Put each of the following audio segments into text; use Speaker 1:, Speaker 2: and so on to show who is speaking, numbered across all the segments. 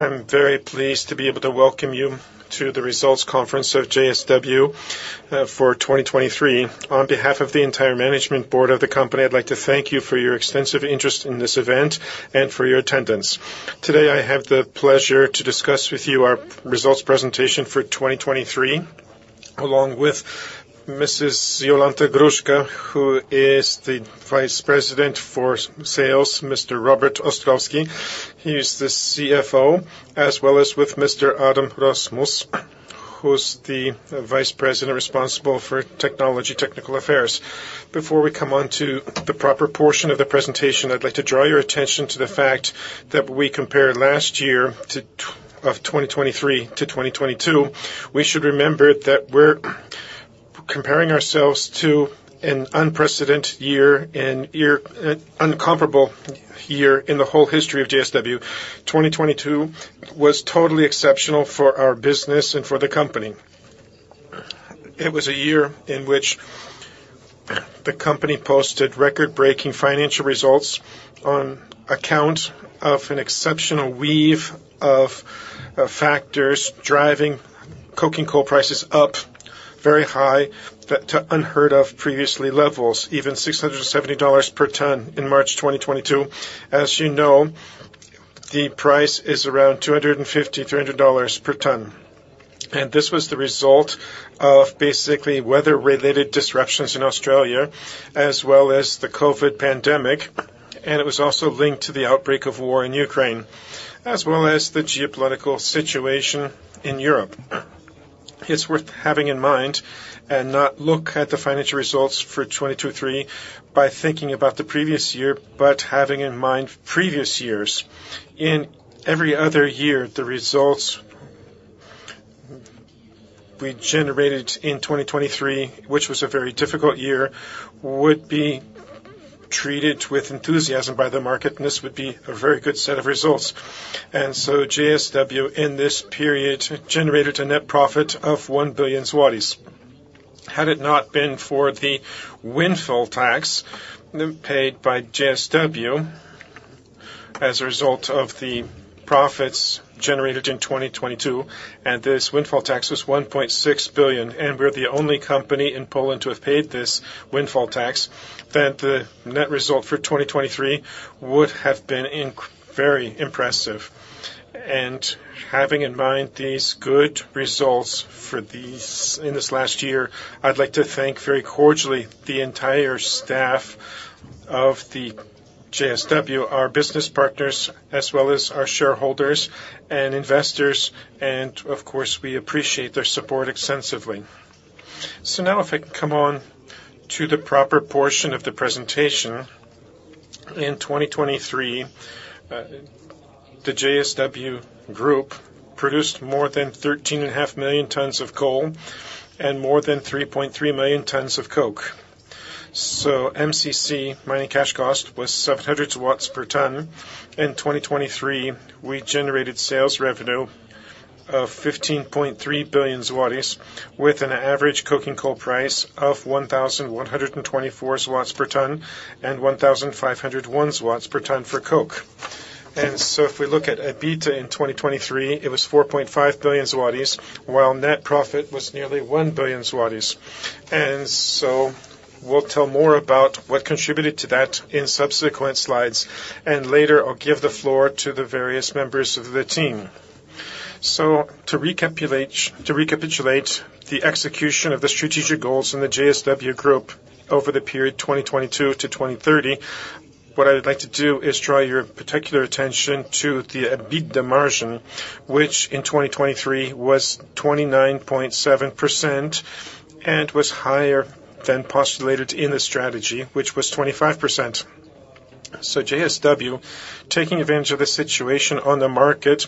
Speaker 1: I'm very pleased to be able to welcome you to the results conference of JSW for 2023. On behalf of the entire management board of the company, I'd like to thank you for your extensive interest in this event and for your attendance. Today, I have the pleasure to discuss with you our results presentation for 2023, along with Mrs. Jolanta Gruszka, who is the Vice President for Sales, Mr. Robert Ostrowski, he is the CFO, as well as with Mr. Adam Rozmus, who's the Vice President responsible for Technology, Technical Affairs. Before we come on to the proper portion of the presentation, I'd like to draw your attention to the fact that we compared last year of 2023 to 2022. We should remember that we're comparing ourselves to an unprecedented year and year, uncomparable year in the whole history of JSW. 2022 was totally exceptional for our business and for the company. It was a year in which the company posted record-breaking financial results on account of an exceptional weave of factors driving coking coal prices up very high to unheard of previously levels, even $670 per ton in March 2022. As you know, the price is around $250-$300 per ton. And this was the result of basically weather-related disruptions in Australia, as well as the COVID pandemic, and it was also linked to the outbreak of war in Ukraine, as well as the geopolitical situation in Europe. It's worth having in mind and not look at the financial results for 2023 by thinking about the previous year, but having in mind previous years. In every other year, the results we generated in 2023, which was a very difficult year, would be treated with enthusiasm by the market, and this would be a very good set of results. So JSW, in this period, generated a net profit of 1 billion zlotys. Had it not been for the windfall tax paid by JSW as a result of the profits generated in 2022, and this windfall tax was 1.6 billion, and we're the only company in Poland to have paid this windfall tax, then the net result for 2023 would have been very impressive. Having in mind these good results for these, in this last year, I'd like to thank very cordially the entire staff of the JSW, our business partners, as well as our shareholders and investors, and of course, we appreciate their support extensively. So now, if I come on to the proper portion of the presentation. In 2023, the JSW Group produced more than 13.5 million tons of coal and more than 3.3 million tons of coke. So MCC, mining cash cost, was 700 per ton. In 2023, we generated sales revenue of 15.3 billion zlotys, with an average coking coal price of 1,124 zlotys per ton and 1,501 zlotys per ton for coke. And so if we look at EBITDA in 2023, it was 4.5 billion zlotys, while net profit was nearly 1 billion zlotys. And so we'll tell more about what contributed to that in subsequent slides, and later, I'll give the floor to the various members of the team. So to recapitulate, to recapitulate the execution of the strategic goals in the JSW Group over the period 2022 to 2030, what I would like to do is draw your particular attention to the EBITDA margin, which in 2023 was 29.7% and was higher than postulated in the strategy, which was 25%. So JSW, taking advantage of the situation on the market,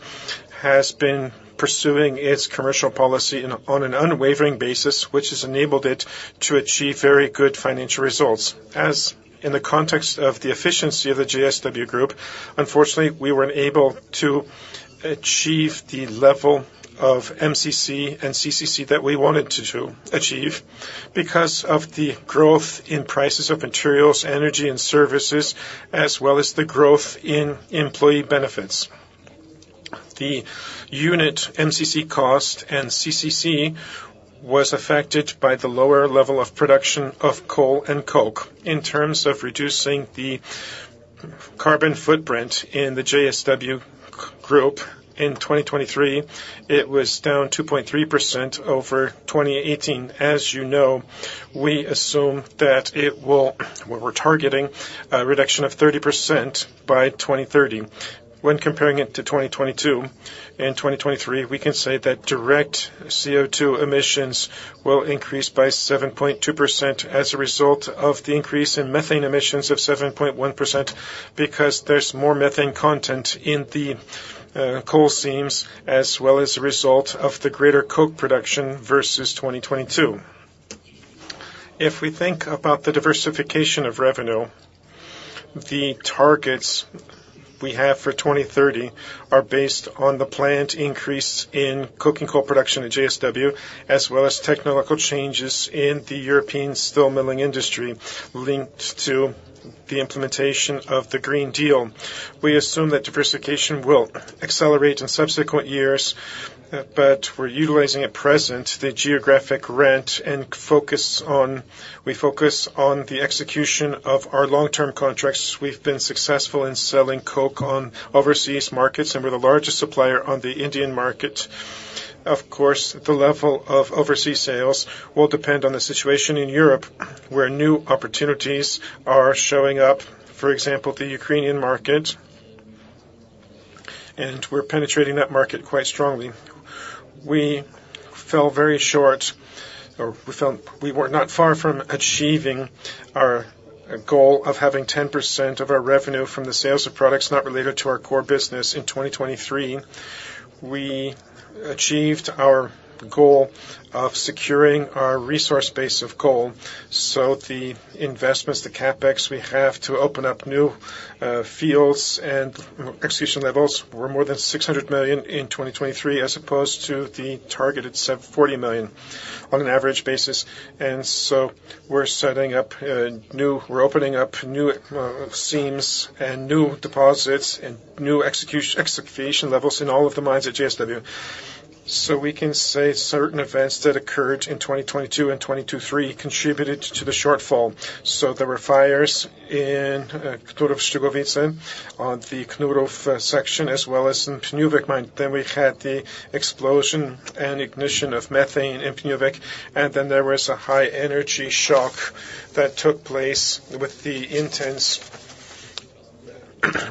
Speaker 1: has been pursuing its commercial policy on an unwavering basis, which has enabled it to achieve very good financial results. As in the context of the efficiency of the JSW Group, unfortunately, we were unable to achieve the level of MCC and CCC that we wanted to, to achieve because of the growth in prices of materials, energy, and services, as well as the growth in employee benefits. The unit MCC cost and CCC was affected by the lower level of production of coal and coke. In terms of reducing the carbon footprint in the JSW Group in 2023, it was down 2.3% over 2018. As you know, we assume that it will, we're targeting a reduction of 30% by 2030. When comparing it to 2022 and 2023, we can say that direct CO2 emissions will increase by 7.2% as a result of the increase in methane emissions of 7.1%, because there's more methane content in the coal seams, as well as a result of the greater coke production versus 2022. If we think about the diversification of revenue, the targets we have for 2030 are based on the planned increase in coking coal production at JSW, as well as technological changes in the European steel milling industry, linked to the implementation of the Green Deal. We assume that diversification will accelerate in subsequent years, but we're utilizing at present the geographic rent and focus on, we focus on the execution of our long-term contracts. We've been successful in selling coke on overseas markets, and we're the largest supplier on the Indian market. Of course, the level of overseas sales will depend on the situation in Europe, where new opportunities are showing up, for example, the Ukrainian market, and we're penetrating that market quite strongly. We fell very short, we were not far from achieving our goal of having 10% of our revenue from the sales of products not related to our core business in 2023. We achieved our goal of securing our resource base of coal. So the investments, the CapEx, we have to open up new fields and extraction levels were more than 600 million in 2023, as opposed to the targeted 74 million on an average basis. So we're opening up new seams and new deposits and new excavation levels in all of the mines at JSW. So we can say certain events that occurred in 2022 and 2023 contributed to the shortfall. So there were fires in Knurów-Szczygłowice on the Knurów section, as well as in Pniówek mine. Then we had the explosion and ignition of methane in Pniówek, and then there was a high energy shock that took place with the intense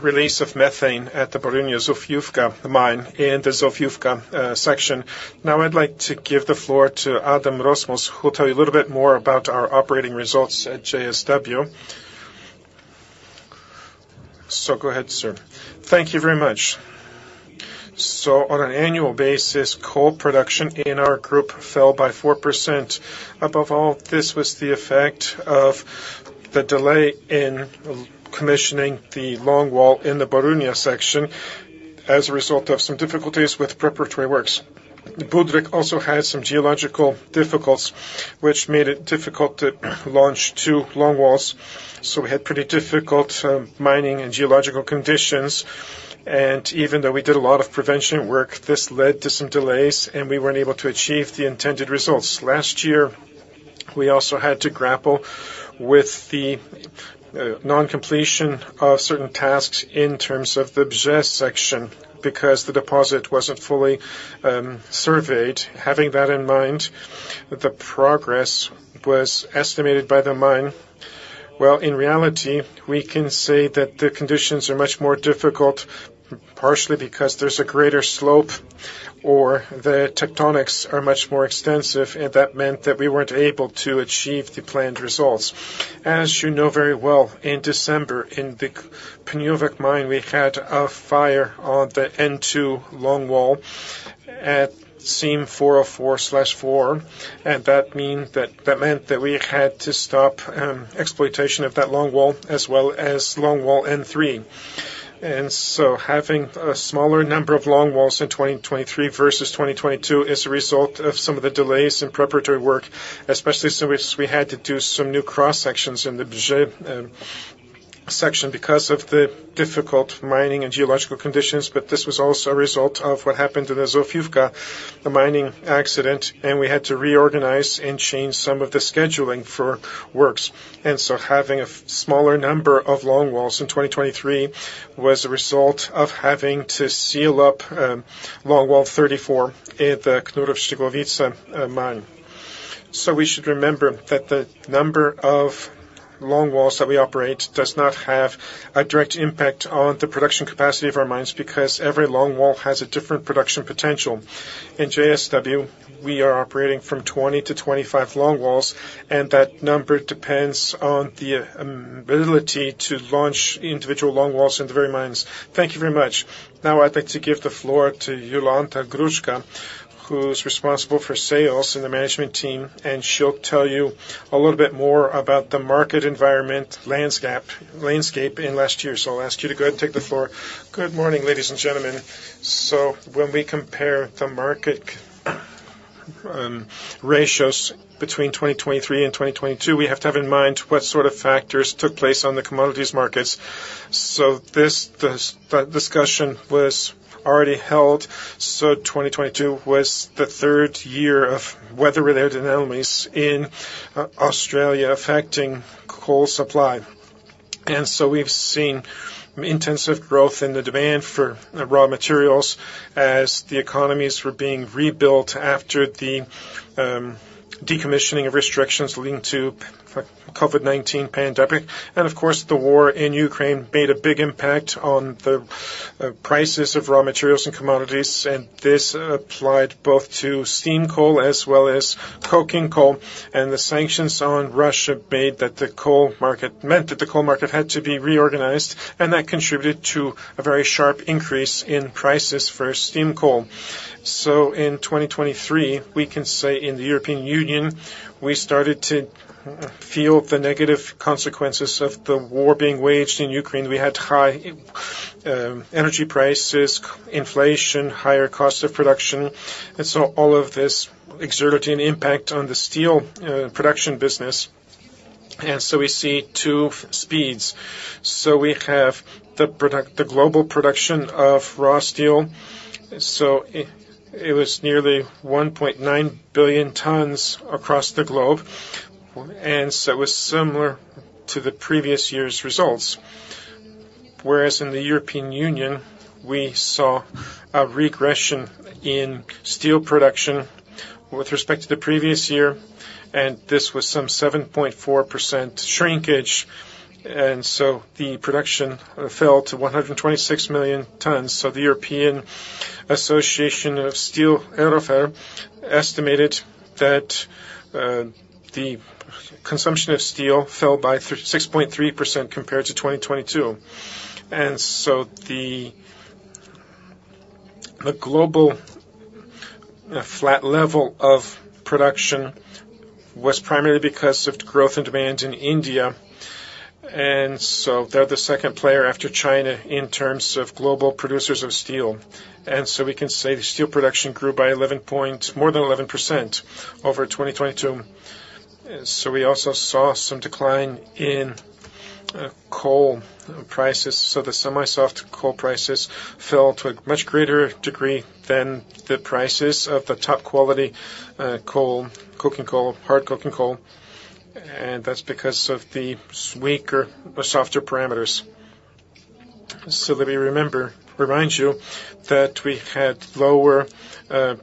Speaker 1: release of methane at the Borynia-Zofiówka mine in the Zofiówka section. Now, I'd like to give the floor to Adam Rozmus, who will tell you a little bit more about our operating results at JSW. So go ahead, sir.
Speaker 2: Thank you very much. So on an annual basis, coal production in our group fell by 4%. Above all, this was the effect of the delay in commissioning the longwall in the Borynia section as a result of some difficulties with preparatory works. Budryk also had some geological difficulties, which made it difficult to launch two longwalls. So we had pretty difficult mining and geological conditions, and even though we did a lot of prevention work, this led to some delays, and we weren't able to achieve the intended results. Last year, we also had to grapple with the non-completion of certain tasks in terms of the Bzie section because the deposit wasn't fully surveyed. Having that in mind, the progress was estimated by the mine. Well, in reality, we can say that the conditions are much more difficult, partially because there's a greater slope, or the tectonics are much more extensive, and that meant that we weren't able to achieve the planned results. As you know very well, in December, in the Pniówek mine, we had a fire on the N2 longwall at Seam 404/4, and that meant that we had to stop exploitation of that longwall as well as longwall N3. So having a smaller number of longwalls in 2023 versus 2022 is a result of some of the delays in preparatory work, especially since we had to do some new cross-sections in the Bzie section because of the difficult mining and geological conditions. But this was also a result of what happened in the Zofiówka, the mining accident, and we had to reorganize and change some of the scheduling for works. And so having a smaller number of longwalls in 2023 was a result of having to seal up, longwall 34 in the Knurów-Szczygłowice, mine. So we should remember that the number of longwalls that we operate does not have a direct impact on the production capacity of our mines, because every longwall has a different production potential. In JSW, we are operating from 20 to 25 longwalls, and that number depends on the, ability to launch individual longwalls in the very mines.
Speaker 1: Thank you very much. Now I'd like to give the floor to Jolanta Gruszka, who's responsible for sales in the management team, and she'll tell you a little bit more about the market environment, landscape, landscape in last year. So I'll ask you to go ahead and take the floor.
Speaker 3: Good morning, ladies and gentlemen. So when we compare the market ratios between 2023 and 2022, we have to have in mind what sort of factors took place on the commodities markets. So this discussion was already held. So 2022 was the third year of weather-related anomalies in Australia affecting coal supply. And so we've seen intensive growth in the demand for raw materials as the economies were being rebuilt after the decommissioning of restrictions leading to COVID-19 pandemic. Of course, the war in Ukraine made a big impact on the prices of raw materials and commodities, and this applied both to steam coal as well as coking coal. And the sanctions on Russia made that the coal market meant that the coal market had to be reorganized, and that contributed to a very sharp increase in prices for steam coal. So in 2023, we can say in the European Union, we started to feel the negative consequences of the war being waged in Ukraine. We had high energy prices, inflation, higher cost of production, and so all of this exerting an impact on the steel production business. And so we see two speeds. So we have the global production of raw steel. So it was nearly 1.9 billion tons across the globe, and so it was similar to the previous year's results. Whereas in the European Union, we saw a regression in steel production with respect to the previous year, and this was some 7.4% shrinkage, and so the production fell to 126 million tons. So the European Association of Steel, EUROFER, estimated that the consumption of steel fell by 6.3% compared to 2022. And so the global flat level of production was primarily because of growth and demand in India, and so they're the second player after China in terms of global producers of steel. And so we can say the steel production grew by more than 11% over 2022. So we also saw some decline in coal prices. So the semi-soft coal prices fell to a much greater degree than the prices of the top quality, coal, coking coal, hard coking coal, and that's because of the weaker or softer parameters. So let me remind you that we had lower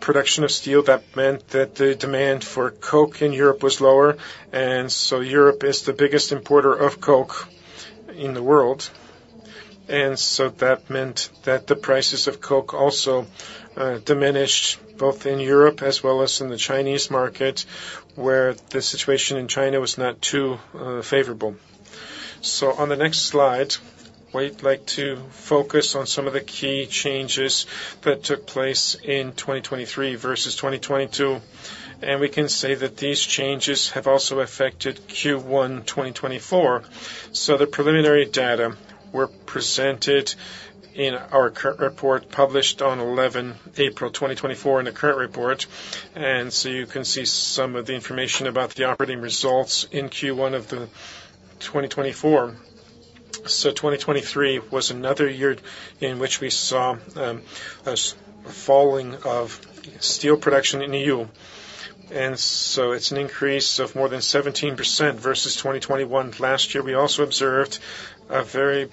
Speaker 3: production of steel. That meant that the demand for coke in Europe was lower, and so Europe is the biggest importer of coke in the world. And so that meant that the prices of coke also diminished both in Europe as well as in the Chinese market, where the situation in China was not too favorable. So on the next slide, we'd like to focus on some of the key changes that took place in 2023 versus 2022, and we can say that these changes have also affected Q1 2024. The preliminary data were presented in our current report, published on 11 April 2024 in the current report. You can see some of the information about the operating results in Q1 of 2024. 2023 was another year in which we saw a falling of steel production in the E.U. It's an increase of more than 17% versus 2021 last year. We also observed a very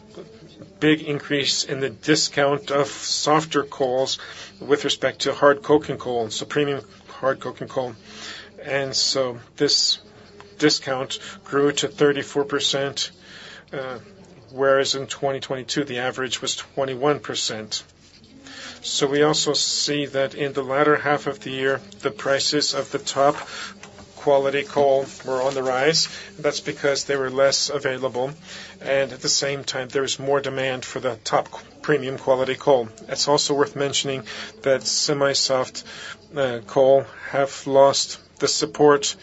Speaker 3: big increase in the discount of softer coals with respect to hard coking coal, so premium hard coking coal. This discount grew to 34%, whereas in 2022, the average was 21%. We also see that in the latter half of the year, the prices of the top quality coal were on the rise. That's because they were less available, and at the same time, there is more demand for the top premium quality coal. It's also worth mentioning that semi-soft coal have lost the support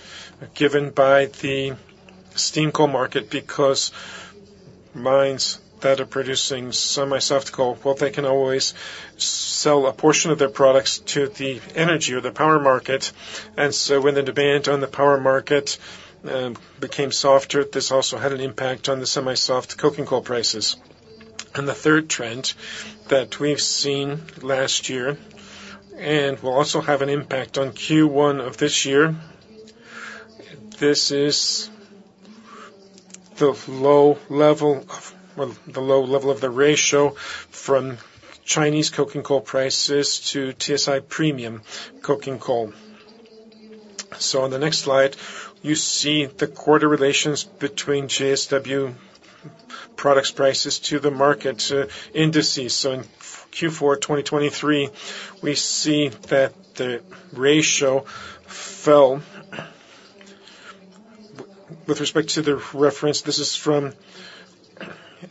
Speaker 3: given by the steam coal market because mines that are producing semi-soft coal, well, they can always sell a portion of their products to the energy or the power market. And so when the demand on the power market became softer, this also had an impact on the semi-soft coking coal prices. And the third trend that we've seen last year, and will also have an impact on Q1 of this year, this is the low level of, well, the low level of the ratio from Chinese coking coal prices to TSI premium coking coal. So on the next slide, you see the quarter relations between JSW products prices to the market indices. So in Q4, 2023, we see that the ratio fell. With respect to the reference, this is from,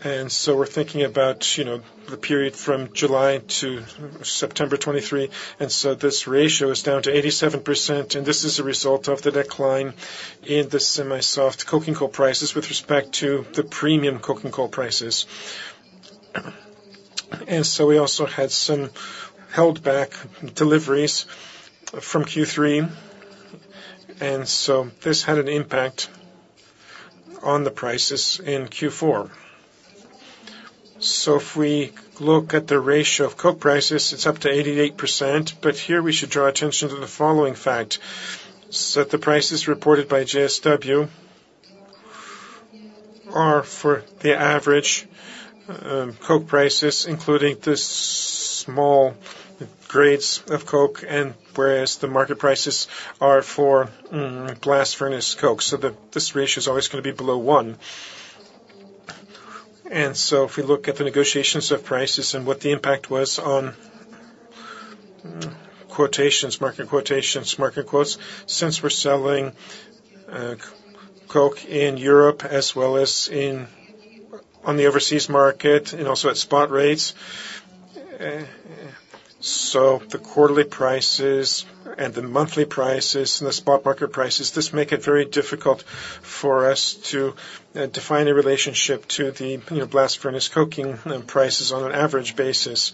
Speaker 3: and so we're thinking about, you know, the period from July to September 2023, and so this ratio is down to 87%, and this is a result of the decline in the semi-soft coking coal prices with respect to the premium coking coal prices. And so we also had some held back deliveries from Q3, and so this had an impact on the prices in Q4. So if we look at the ratio of coke prices, it's up to 88%, but here we should draw attention to the following fact, so that the prices reported by JSW are for the average, coke prices, including the small grades of coke, and whereas the market prices are for, blast furnace coke, so this ratio is always gonna be below one. So if we look at the negotiations of prices and what the impact was on, quotations, market quotations, market quotes, since we're selling, coke in Europe as well as on the overseas market and also at spot rates... so the quarterly prices and the monthly prices and the spot market prices, this make it very difficult for us to, define a relationship to the, you know, blast furnace coking and prices on an average basis.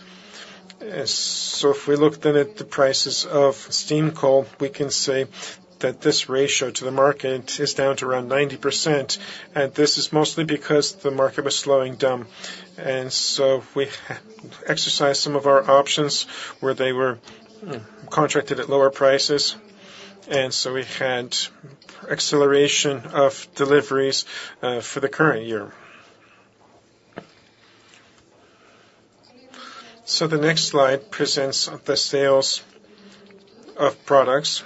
Speaker 3: So if we look then at the prices of steam coal, we can say that this ratio to the market is down to around 90%, and this is mostly because the market was slowing down. And so we exercised some of our options where they were contracted at lower prices, and so we had acceleration of deliveries for the current year. So the next slide presents the sales of products.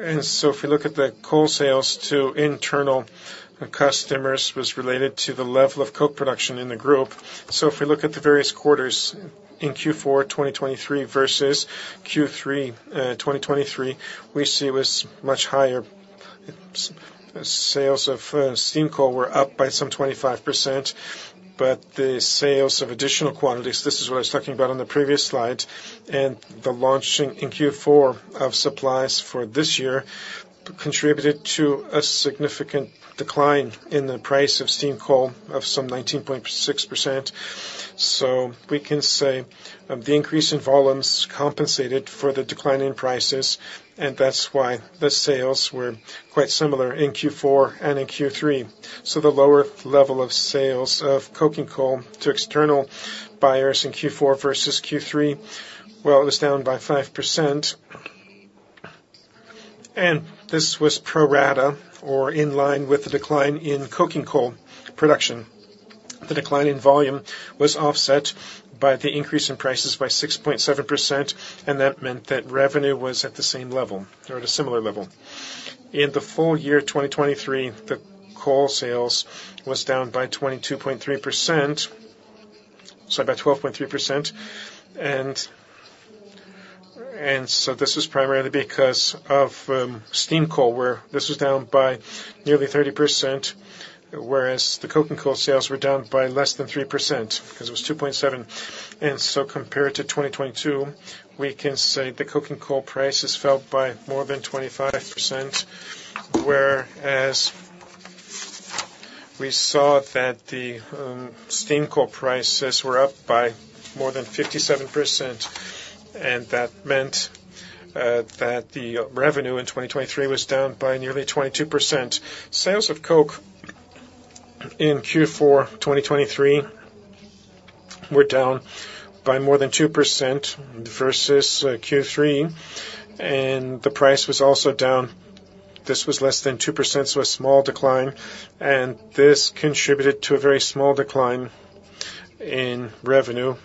Speaker 3: And so if we look at the coal sales to internal customers, was related to the level of coke production in the group. So if we look at the various quarters in Q4 2023 versus Q3 2023, we see it was much higher. Sales of steam coal were up by some 25%, but the sales of additional quantities, this is what I was talking about on the previous slide, and the launching in Q4 of supplies for this year, contributed to a significant decline in the price of steam coal of some 19.6%. So we can say, the increase in volumes compensated for the decline in prices, and that's why the sales were quite similar in Q4 and in Q3. So the lower level of sales of coking coal to external buyers in Q4 versus Q3, well, it was down by 5%. And this was pro rata or in line with the decline in coking coal production. The decline in volume was offset by the increase in prices by 6.7%, and that meant that revenue was at the same level or at a similar level. In the full year, 2023, the coal sales was down by 22.3%, so by 12.3%. And so this is primarily because of steam coal, where this was down by nearly 30%, whereas the coking coal sales were down by less than 3% because it was 2.7%. And so compared to 2022, we can say the coking coal prices fell by more than 25%, whereas we saw that the steam coal prices were up by more than 57%, and that meant that the revenue in 2023 was down by nearly 22%. Sales of coke in Q4 2023 were down by more than 2% versus Q3, and the price was also down. This was less than 2%, so a small decline, and this contributed to a very small decline in revenue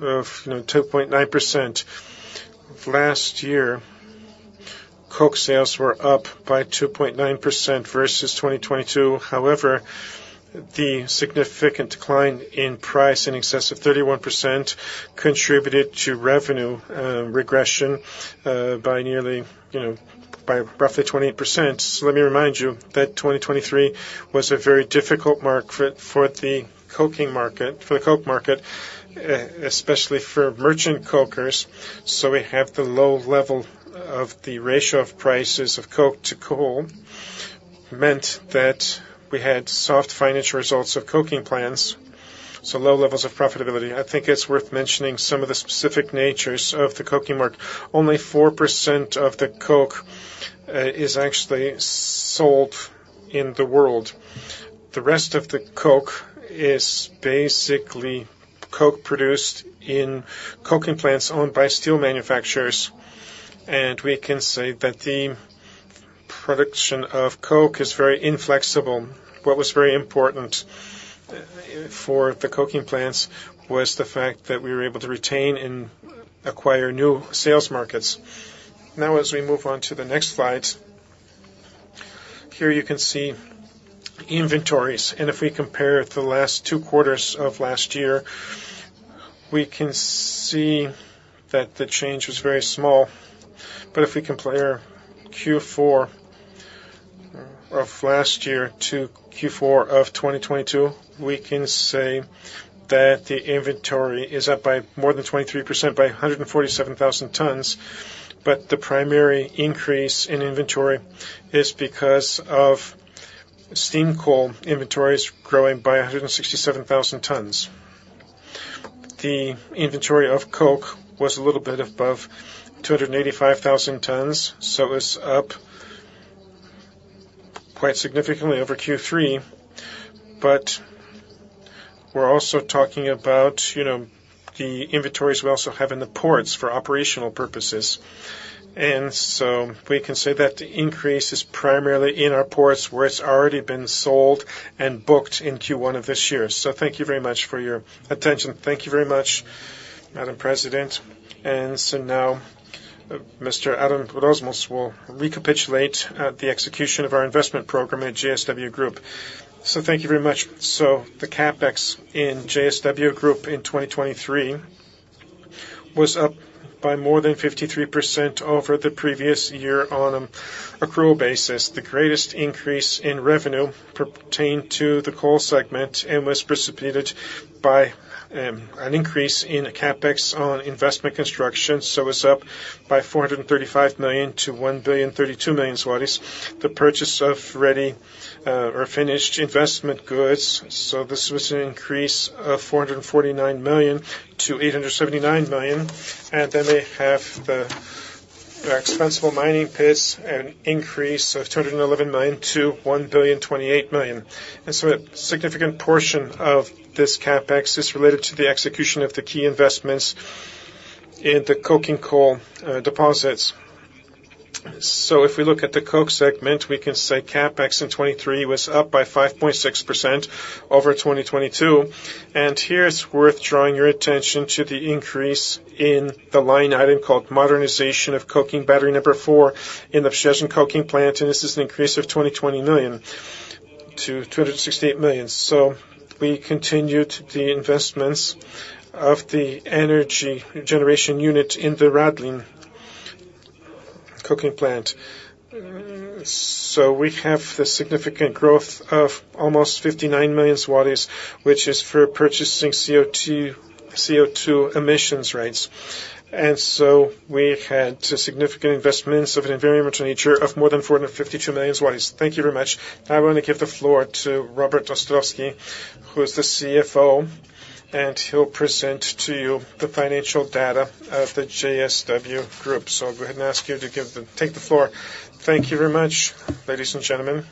Speaker 3: of, you know, 2.9%. Last year, coke sales were up by 2.9% versus 2022. However, the significant decline in price in excess of 31% contributed to revenue regression by nearly, you know, by roughly 28%. So let me remind you that 2023 was a very difficult market for the coking market, for the coke market, especially for merchant cokers. So we have the low level of the ratio of prices of coke to coal, meant that we had soft financial results of coking plants, so low levels of profitability. I think it's worth mentioning some of the specific natures of the coking market. Only 4% of the coke is actually sold in the world. The rest of the coke is basically coke produced in coking plants owned by steel manufacturers, and we can say that the production of coke is very inflexible. What was very important for the coking plants was the fact that we were able to retain and acquire new sales markets. Now, as we move on to the next slide, here you can see inventories, and if we compare the last two quarters of last year, we can see that the change was very small. But if we compare Q4 of last year to Q4 of 2022, we can say that the inventory is up by more than 23%, by 147,000 tons, but the primary increase in inventory is because of steam coal inventories growing by 167,000 tons. The inventory of coke was a little bit above 285,000 tons, so it's up quite significantly over Q3. But we're also talking about, you know, the inventories we also have in the ports for operational purposes. And so we can say that the increase is primarily in our ports, where it's already been sold and booked in Q1 of this year. So thank you very much for your attention.
Speaker 1: Thank you very much, Madam President. And so now, Mr. Adam Rozmus will recapitulate the execution of our investment program at JSW Group.
Speaker 2: So thank you very much. So the CapEx in JSW Group in 2023 was up by more than 53% over the previous year on an accrual basis. The greatest increase in revenue pertained to the coal segment, and was precipitated by an increase in the CapEx on investment construction. So it's up by 435 million-1,032 million zlotys. The purchase of ready or finished investment goods, so this was an increase of 449 million-879 million. And then they have the expensable mining pits at an increase of 211 million-1,028 million. A significant portion of this CapEx is related to the execution of the key investments in the coking coal deposits. If we look at the coke segment, we can say CapEx in 2023 was up by 5.6% over 2022, and here it's worth drawing your attention to the increase in the line item called Modernization of Coking Battery Number 4 in the Przyjaźń coking plant, and this is an increase of 220 million-268 million. We continued the investments of the energy generation unit in the Radlin coking plant. We have the significant growth of almost 59 million zlotys, which is for purchasing CO2 emission allowances. We've had significant investments of an environmental nature of more than 452 million zlotys.
Speaker 1: Thank you very much. I want to give the floor to Robert Ostrowski, who is the CFO, and he'll present to you the financial data of the JSW Group. So go ahead. Take the floor.
Speaker 4: Thank you very much, ladies and gentlemen.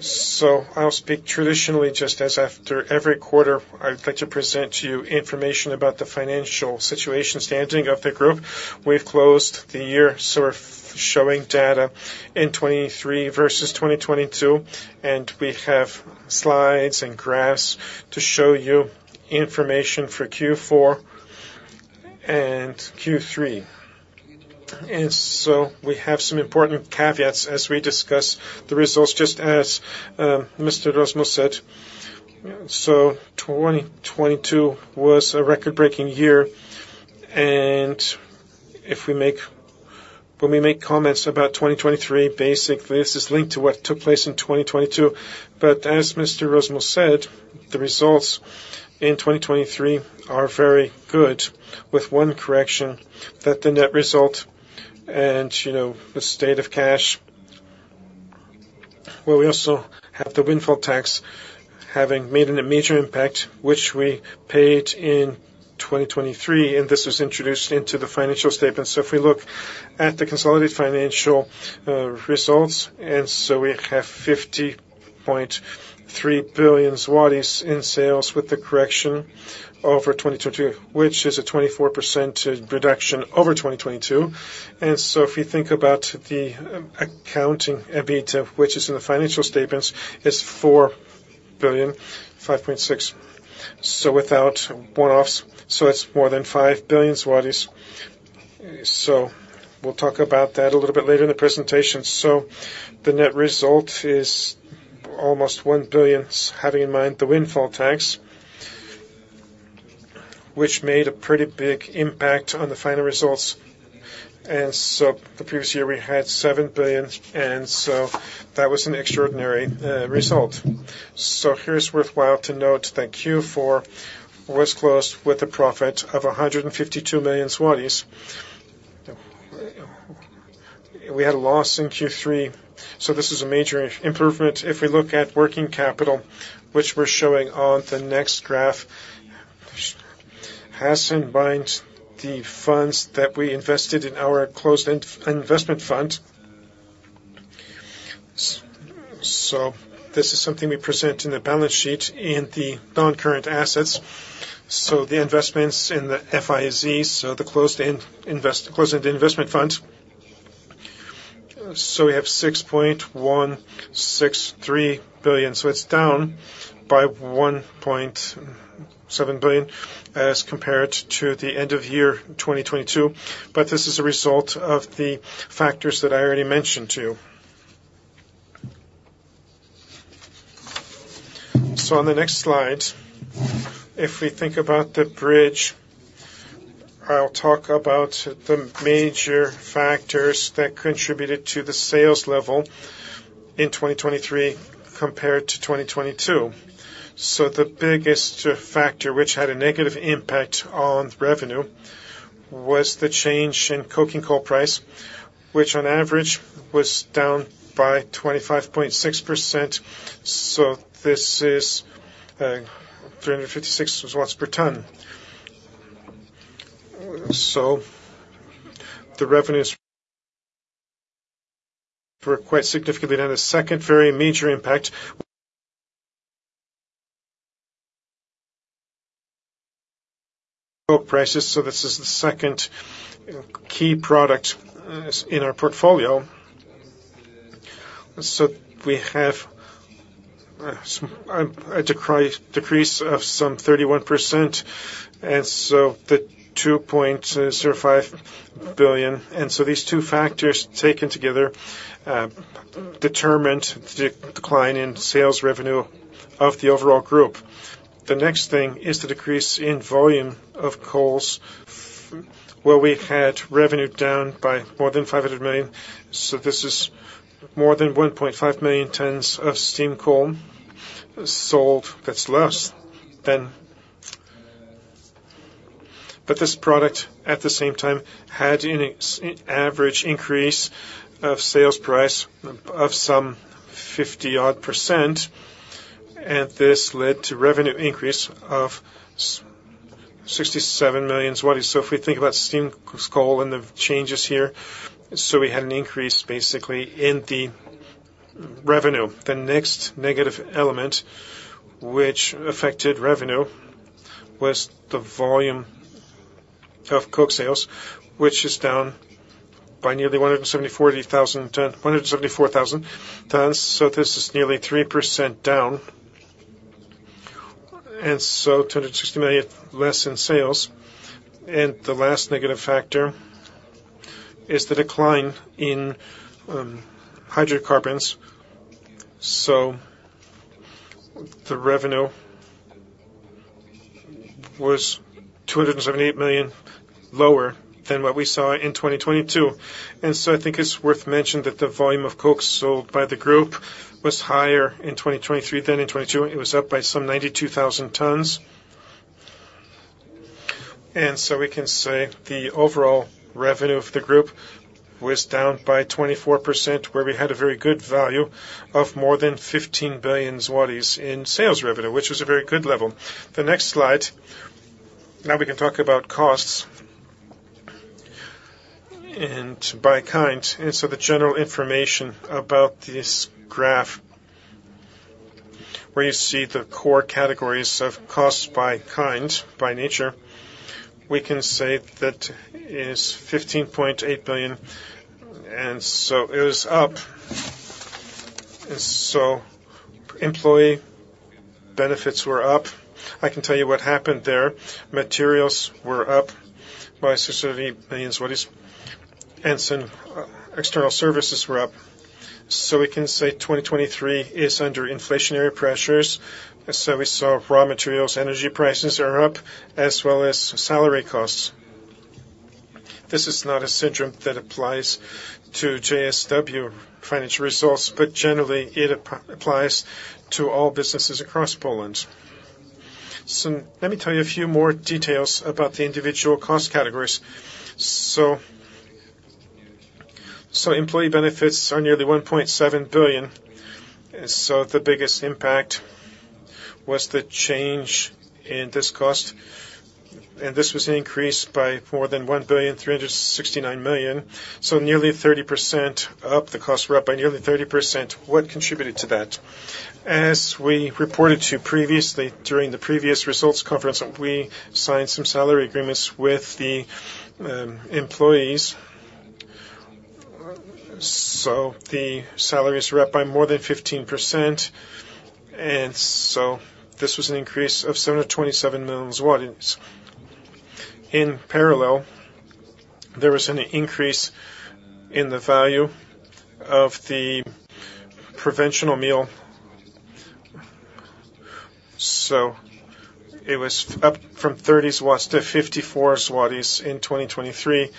Speaker 4: So I'll speak traditionally, just as after every quarter, I'd like to present to you information about the financial situation standing of the group. We've closed the year, so we're showing data in 2023 versus 2022, and we have slides and graphs to show you information for Q4 and Q3. We have some important caveats as we discuss the results, just as Mr. Rozmus said. So 2022 was a record-breaking year, and when we make comments about 2023, basically, this is linked to what took place in 2022. But as Mr. Rozmus said, the results in 2023 are very good, with one correction: that the net result and, you know, the state of cash, well, we also have the windfall tax, having made a major impact, which we paid in 2023, and this was introduced into the financial statements. So if we look at the consolidated financial results, and so we have 50.3 billion zlotys in sales with the correction over 2022, which is a 24% reduction over 2022. And so if you think about the accounting EBITDA, which is in the financial statements, is 4.56 billion. So without one-offs, so it's more than 5 billion zlotys. So we'll talk about that a little bit later in the presentation. So the net result is almost 1 billion, having in mind the windfall tax, which made a pretty big impact on the final results. And so the previous year, we had 7 billion, and so that was an extraordinary result. So it's worthwhile to note that Q4 was closed with a profit of 152 million zlotys. We had a loss in Q3, so this is a major improvement. If we look at working capital, which we're showing on the next graph, has in mind the funds that we invested in our closed-end investment fund. So this is something we present in the balance sheet and the non-current assets. So the investments in the FIZ, so the closed-end investment funds. So we have 6.163 billion, so it's down by 1.7 billion as compared to the end of year 2022, but this is a result of the factors that I already mentioned to you. So on the next slide, if we think about the bridge, I'll talk about the major factors that contributed to the sales level in 2023 compared to 2022. So the biggest factor, which had a negative impact on revenue, was the change in coking coal price, which on average was down by 25.6%. So this is 356 per ton. So the revenue is for quite significantly, and the second very major impact, coal prices. So this is the second key product in our portfolio. So we have some a decrease of some 31%, and so the 2.05 billion. And so these two factors, taken together, determined the decline in sales revenue of the overall group. The next thing is the decrease in volume of coals, where we had revenue down by more than 500 million. So this is more than 1.5 million tons of steam coal sold. That's less than. But this product, at the same time, had an average increase of sales price of some 50-odd percent, and this led to revenue increase of 67 million zloty. So if we think about steam coal and the changes here, so we had an increase, basically, in the revenue. The next negative element, which affected revenue, was the volume of coke sales, which is down by nearly 174,000 tons. So this is nearly 3% down, and so 260 million less in sales. And the last negative factor is the decline in hydrocarbons. So the revenue was 278 million lower than what we saw in 2022. And so I think it's worth mentioning that the volume of coke sold by the group was higher in 2023 than in 2022. It was up by some 92,000 tons. And so we can say the overall revenue of the group was down by 24%, where we had a very good value of more than 15 billion zlotys in sales revenue, which was a very good level. The next slide. Now, we can talk about costs and by kind. The general information about this graph, where you see the core categories of costs by kind, by nature, we can say that it is 15.8 billion, and so it was up. Employee benefits were up. I can tell you what happened there. Materials were up by 600 million zlotys and some external services were up. We can say 2023 is under inflationary pressures. We saw raw materials, energy prices are up, as well as salary costs. This is not a syndrome that applies to JSW financial results, but generally, it applies to all businesses across Poland. Let me tell you a few more details about the individual cost categories. Employee benefits are nearly 1.7 billion. So the biggest impact was the change in this cost, and this was increased by more than 1,369 million. So nearly 30% up, the costs were up by nearly 30%. What contributed to that? As we reported to you previously, during the previous results conference, we signed some salary agreements with the employees. So the salaries were up by more than 15%, and so this was an increase of 727 million. In parallel, there was an increase in the value of the preventive meal. So it was up from 30-54 zlotys in 2023,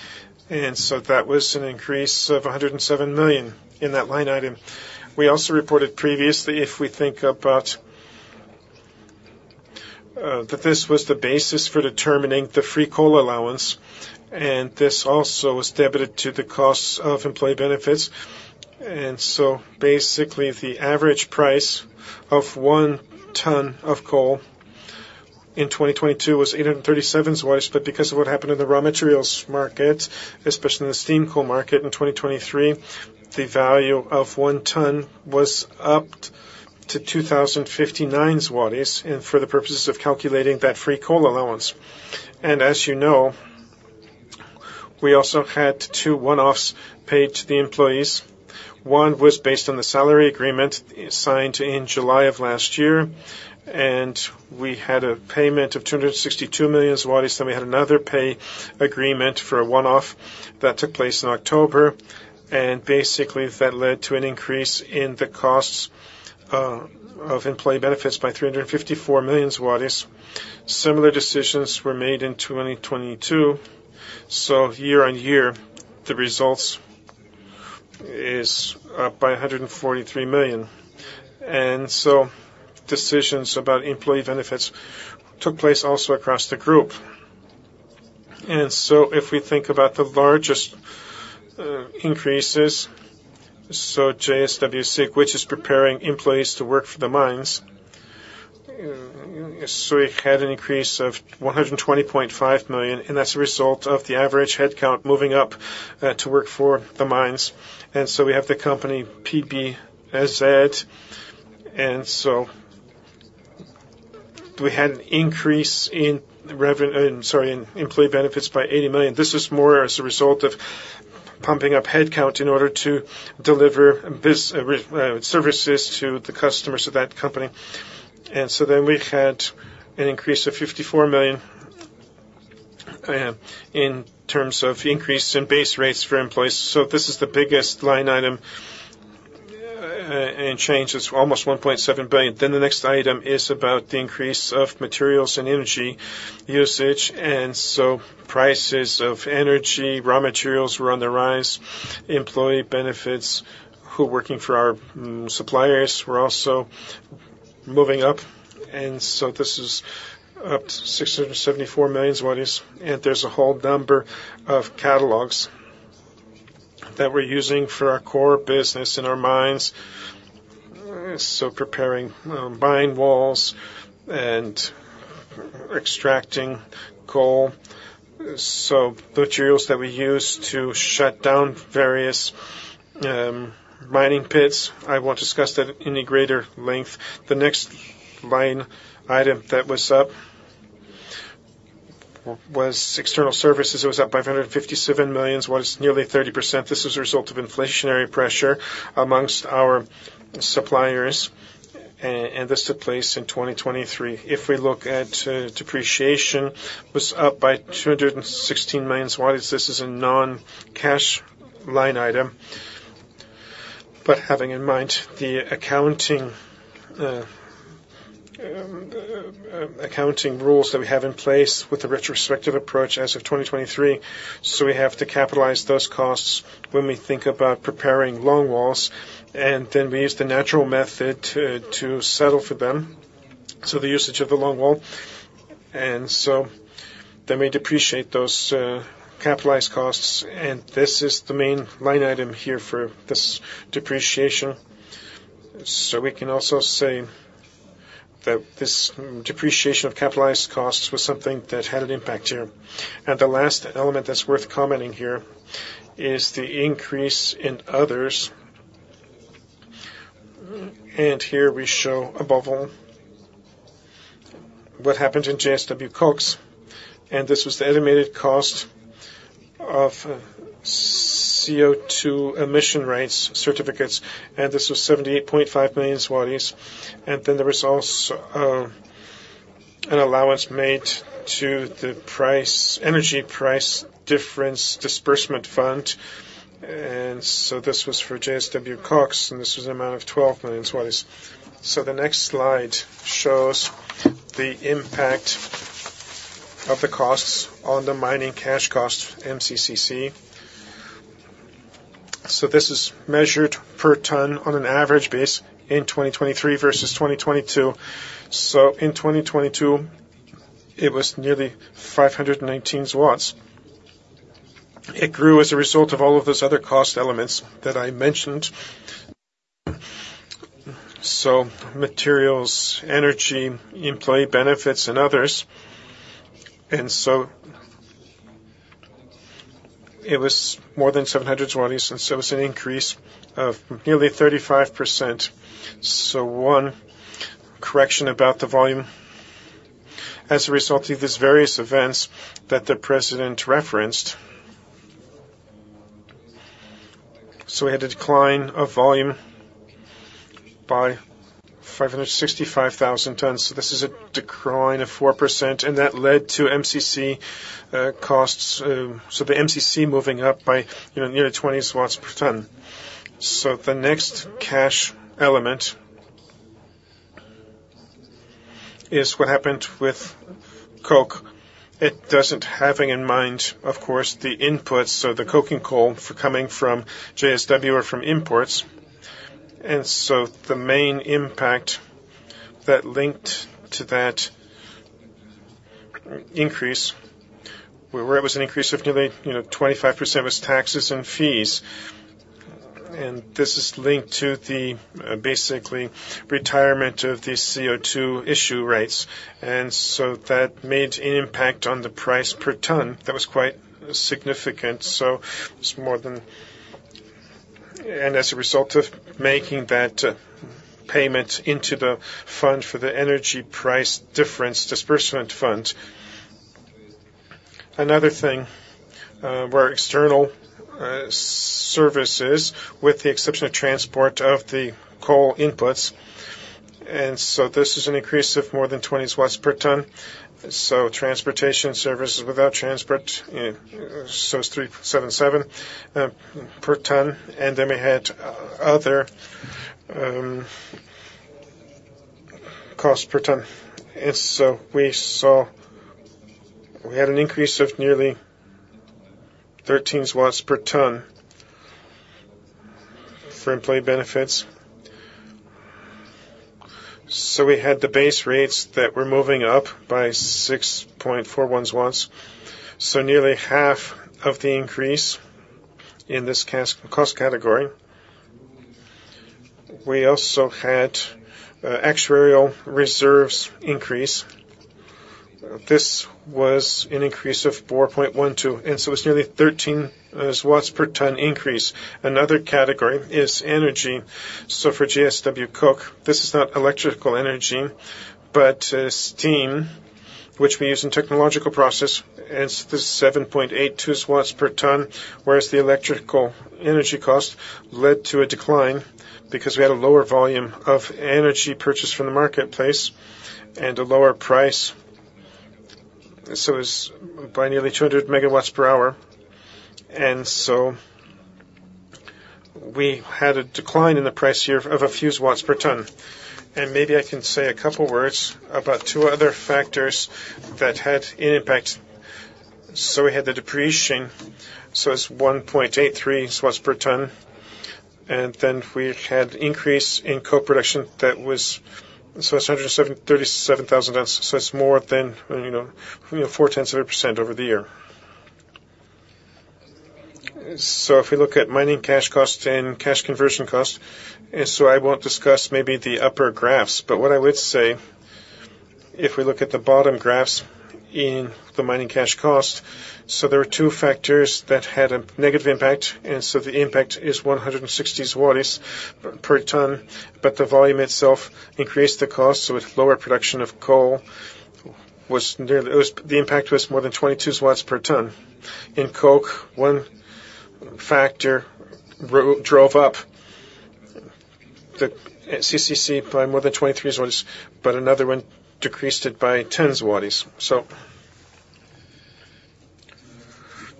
Speaker 4: and so that was an increase of 107 million in that line item. We also reported previously, if we think about, that this was the basis for determining the free coal allowance, and this also was debited to the costs of employee benefits. So basically, the average price of one ton of coal in 2022 was 837. But because of what happened in the raw materials market, especially in the steam coal market in 2023, the value of one ton was upped to 2,059 zlotys, and for the purposes of calculating that free coal allowance. As you know, we also had two one-offs paid to the employees. One was based on the salary agreement signed in July of last year, and we had a payment of 262 million zlotys. So we had another pay agreement for a one-off that took place in October, and basically, that led to an increase in the costs of employee benefits by 354 million zlotys. Similar decisions were made in 2022, so year-on-year, the results is by 143 million. And so decisions about employee benefits took place also across the group. And so if we think about the largest increases, so JSW SIG, which is preparing employees to work for the mines, so we had an increase of 120.5 million, and that's a result of the average headcount moving up to work for the mines. And so we have the company, PBSz. And so we had an increase in the sorry, in employee benefits by 80 million. This is more as a result of pumping up headcount in order to deliver this, services to the customers of that company. And so then we had an increase of 54 million in terms of increase in base rates for employees. So this is the biggest line item in change, it's almost 1.7 billion. Then the next item is about the increase of materials and energy usage, and so prices of energy, raw materials were on the rise. Employee benefits, who are working for our, suppliers, were also moving up, and so this is up 674 million zlotys. And there's a whole number of catalogs that we're using for our core business in our mines. So preparing, mine walls and extracting coal. So materials that we use to shut down various, mining pits. I won't discuss that in a greater length. The next line item that was up was external services. It was up by 557 million, nearly 30%. This is a result of inflationary pressure amongst our suppliers, and this took place in 2023. If we look at depreciation, was up by 216 million zlotys. This is a non-cash line item. But having in mind the accounting rules that we have in place with the retrospective approach as of 2023, so we have to capitalize those costs when we think about preparing longwalls, and then we use the natural method to settle for them. So the usage of the longwall, and so then we depreciate those capitalized costs, and this is the main line item here for this depreciation. So we can also say that this depreciation of capitalized costs was something that had an impact here. The last element that's worth commenting here is the increase in others. Here we show above all what happened in JSW KOKS, and this was the estimated cost of CO2 emission allowances, certificates, and this was 78.5 million zlotys. Then there was also an allowance made to the price energy price difference disbursement fund. So this was for JSW KOKS, and this was an amount of 12 million. The next slide shows the impact of the costs on the mining cash cost, MCC. This is measured per ton on an average basis in 2023 versus 2022. In 2022, it was nearly 519. It grew as a result of all of those other cost elements that I mentioned. Materials, energy, employee benefits, and others. It was more than 700, and it was an increase of nearly 35%. One correction about the volume as a result of these various events that the president referenced. We had a decline of volume by 565,000 tons. This is a decline of 4%, and that led to MCC costs, so the MCC moving up by, you know, nearly 20 PLN per ton. The next cash element is what happened with coke. It doesn't having in mind, of course, the inputs, so the coking coal for coming from JSW or from imports. So the main impact that linked to that increase, where it was an increase of nearly, you know, 25%, was taxes and fees. And this is linked to the basically retirement of the CO2 emission allowances. And so that made an impact on the price per ton. That was quite significant, so it's more than, and as a result of making that payment into the fund for the energy price difference disbursement fund. Another thing were external services, with the exception of transport of the coal inputs, and so this is an increase of more than 20 per ton. So transportation services without transport, so it's 377 per ton, and then we had other costs per ton. And so we saw we had an increase of nearly 13 per ton for employee benefits. So we had the base rates that were moving up by 6.41. So nearly half of the increase in this cost category. We also had actuarial reserves increase. This was an increase of 4.12, and so it's nearly 13 per ton increase. Another category is energy. So for JSW Coke, this is not electrical energy, but steam, which we use in technological process, and it's 7.82 per ton, whereas the electrical energy cost led to a decline because we had a lower volume of energy purchased from the marketplace and a lower price. So it's by nearly 200 MW per hour, and so we had a decline in the price here of a few zlotys per ton. Maybe I can say a couple words about two other factors that had an impact. So we had the depreciation, so it's 1.83 per ton, and then we had increase in co-production that was, so it's 107,037 thousand, so it's more than, you know, 0.4% over the year. So if we look at mining cash cost and cash conversion cost, and so I won't discuss maybe the upper graphs. But what I would say, if we look at the bottom graphs in the mining cash cost, so there are two factors that had a negative impact, and so the impact is 160 per ton, but the volume itself increased the cost, so with lower production of coal was near. It was the impact was more than PLN 22per ton. In coke, one factor drove up the CCC by more than 23 zlotys, but another one decreased it by 10 zlotys.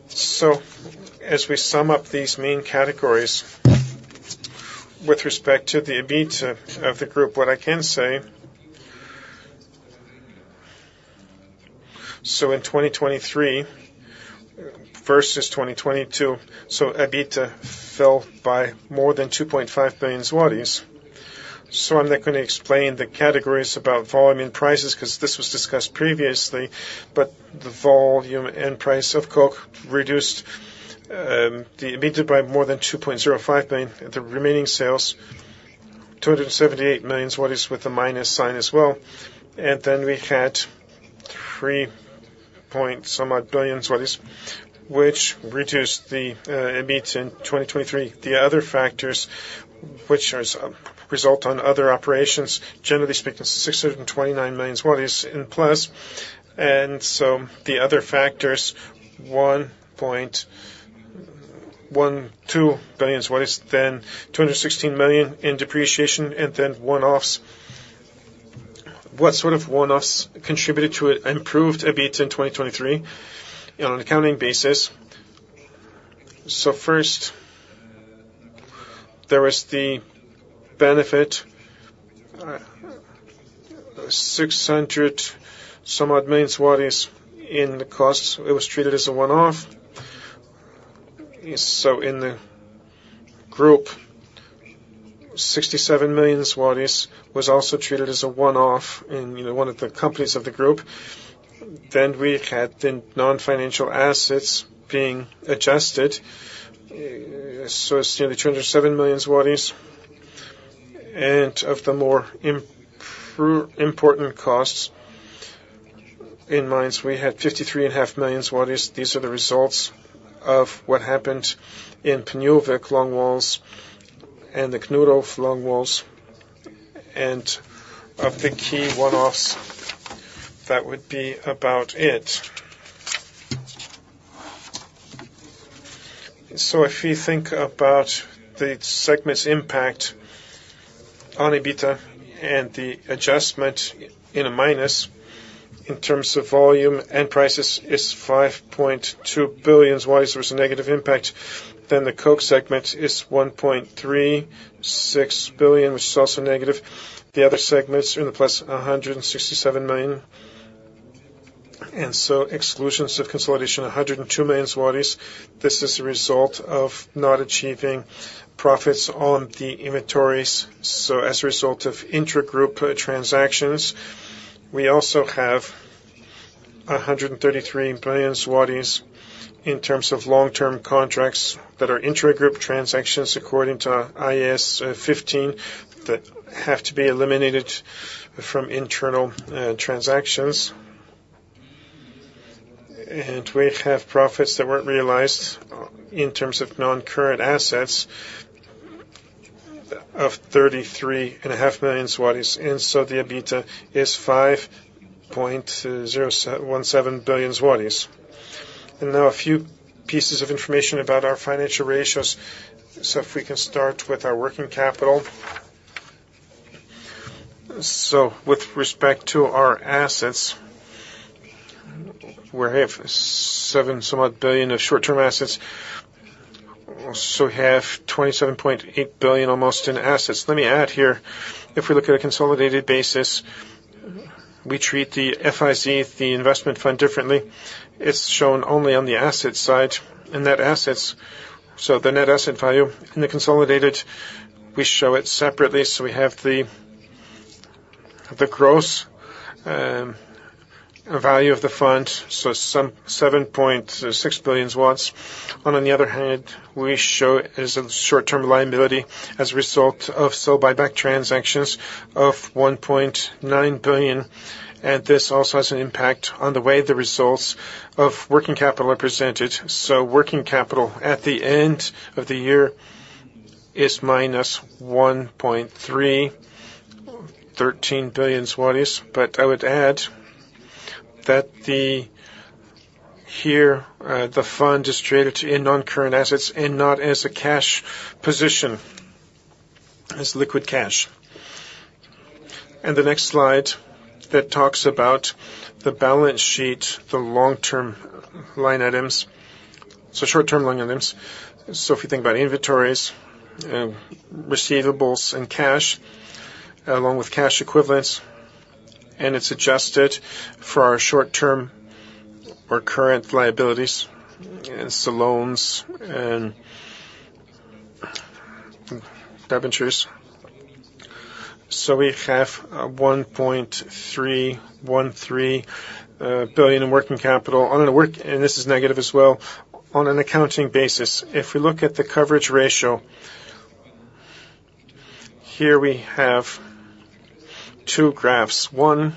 Speaker 4: So as we sum up these main categories with respect to the EBIT of the group, what I can say. So in 2023 versus 2022, so EBIT fell by more than 2.5 billion zlotys. So I'm not gonna explain the categories about volume and prices, because this was discussed previously, but the volume and price of coke reduced the EBIT by more than 2.05 billion. The remaining sales, 278 million, with a minus sign as well. And then we had three point some odd billion zlotys, which reduced the EBIT in 2023. The other factors, which are a result on other operations, generally speaking, 629 million in plus. The other factors, 1.12 billion, then 216 million in depreciation, and then one-offs. What sort of one-offs contributed to it? Improved EBIT in 2023 on an accounting basis. So first, there was the benefit, somewhat 600 million zlotys in the costs. It was treated as a one-off. So in the group, 67 million zlotys was also treated as a one-off in, you know, one of the companies of the group. Then we had the non-financial assets being adjusted, so it's nearly 207 million zlotys. And of the more important costs in mines, we had 53.5 million. These are the results of what happened in Pniówek longwalls and the Knurów longwalls, and of the key one-offs, that would be about it. So if you think about the segment's impact on EBITDA and the adjustment in a minus in terms of volume and prices, is 5.2 billion zlotys was a negative impact. Then the coke segment is 1.36 billion, which is also negative. The other segments in the +167 million, and so exclusions of consolidation, 102 million zlotys. This is a result of not achieving profits on the inventories. So as a result of intragroup transactions, we also have 133 billion zlotys in terms of long-term contracts that are intragroup transactions, according to IAS 15, that have to be eliminated from internal transactions. We have profits that weren't realized in terms of non-current assets of 33.5 million zlotys, and so the EBITDA is 5.017 billion zlotys. Now a few pieces of information about our financial ratios. If we can start with our working capital. With respect to our assets, we have seven somewhat billion of short-term assets. We have almost 27.8 billion in assets. Let me add here, if we look at a consolidated basis, we treat the FIZ, the investment fund, differently. It's shown only on the asset side and net assets. So the net asset value in the consolidated, we show it separately, so we have the gross value of the fund, so some 7.6 billion. On the other hand, we show as a short-term liability as a result of sell-buyback transactions of 1.9 billion, and this also has an impact on the way the results of working capital are presented. So working capital at the end of the year is -1.313 billion zlotys. But I would add that the, here, the fund is traded in non-current assets and not as a cash position, as liquid cash. And the next slide that talks about the balance sheet, the long-term line items. So short-term line items. So if you think about inventories, receivables and cash, along with cash equivalents, and it's adjusted for our short-term or current liabilities, and so loans and debentures. So we have 1.313 billion in working capital. This is negative as well on an accounting basis. If we look at the coverage ratio, here we have two graphs. One,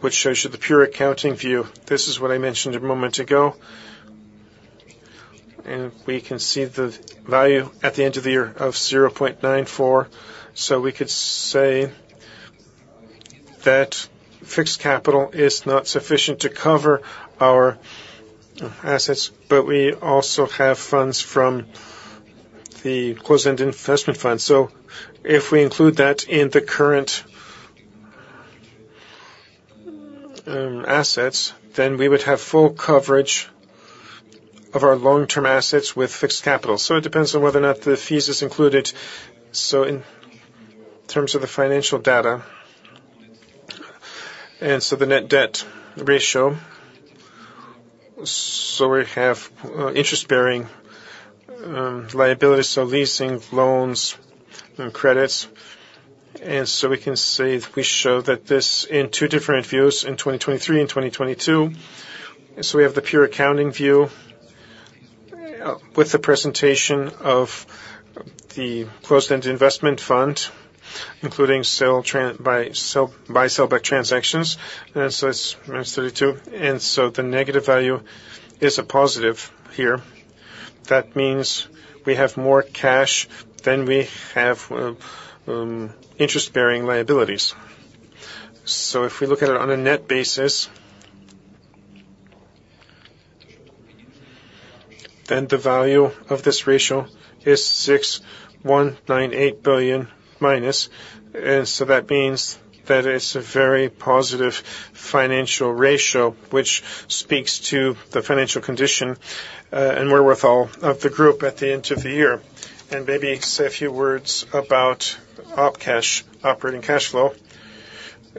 Speaker 4: which shows you the pure accounting view. This is what I mentioned a moment ago, and we can see the value at the end of the year of 0.94%. So we could say that fixed capital is not sufficient to cover our assets, but we also have funds from the closed-end investment fund. So if we include that in the current, assets, then we would have full coverage of our long-term assets with fixed capital. So it depends on whether or not the fund is included, so in terms of the financial data. And so the net debt ratio, so we have, interest-bearing, liabilities, so leasing, loans, and credits. We can say we show that this in two different views, in 2023 and 2022. So we have the pure accounting view, with the presentation of the closed-end investment fund, including sell-buyback transactions, and so it's -32. And so the negative value is a positive here. That means we have more cash than we have, interest-bearing liabilities. So if we look at it on a net basis, then the value of this ratio is -6.198 billion. So that means that it's a very positive financial ratio, which speaks to the financial condition, and we're worth all of the group at the end of the year. And maybe say a few words about op cash, operating cash flow.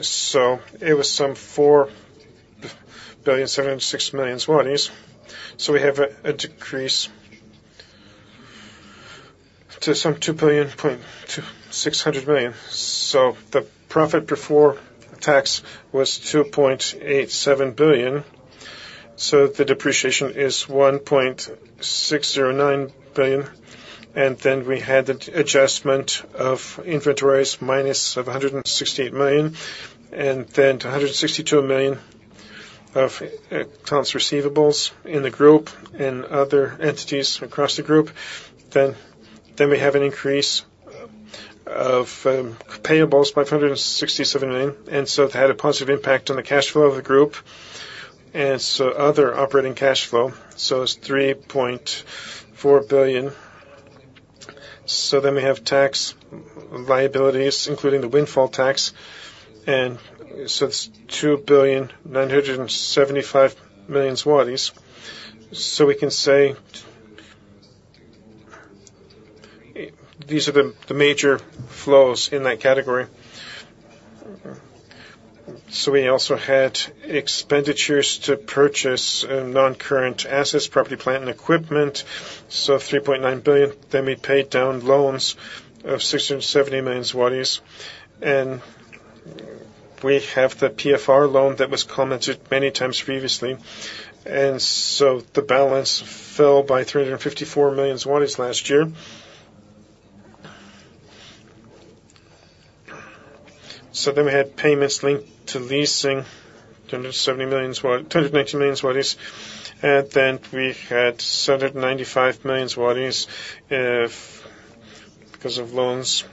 Speaker 4: So it was some 4,76 million zlotys. So we have a decrease to some 2.26 billion. So the profit before tax was 2.87 billion. So the depreciation is 1.609 billion. And then we had the adjustment of inventories -168 million, and then 162 million of accounts receivables in the group and other entities across the group. Then we have an increase of payables by 567 million, and so it had a positive impact on the cash flow of the group. And so other operating cash flow, so it's 3.4 billion. So then we have tax liabilities, including the windfall tax, and so it's 2.975 billion zlotys. So we can say these are the major flows in that category. We also had expenditures to purchase non-current assets, property, plant, and equipment, so 3.9 billion. Then we paid down loans of 670 million zlotys, and we have the PFR loan that was commented many times previously. The balance fell by 354 million zlotys last year. We had payments linked to leasing, 290 million, and then we had 795 million because of loans.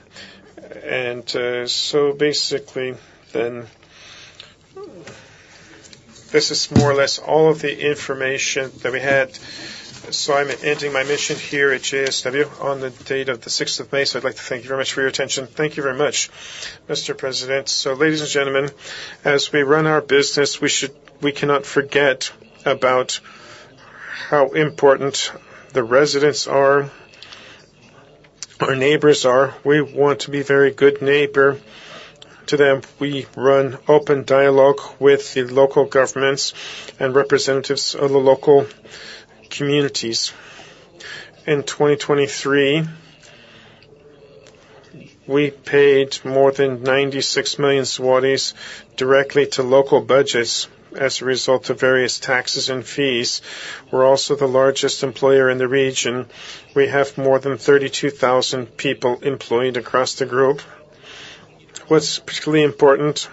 Speaker 4: Basically, this is more or less all of the information that we had. I'm ending my mission here at JSW on the date of the 6th of May. I'd like to thank you very much for your attention.
Speaker 1: Thank you very much, Mr. President. So, ladies and gentlemen, as we run our business, we should, we cannot forget about how important the residents are, our neighbors are. We want to be very good neighbor to them. We run open dialogue with the local governments and representatives of the local communities... In 2023, we paid more than 96 million zlotys directly to local budgets as a result of various taxes and fees. We're also the largest employer in the region. We have more than 32,000 people employed across the group. What's particularly important,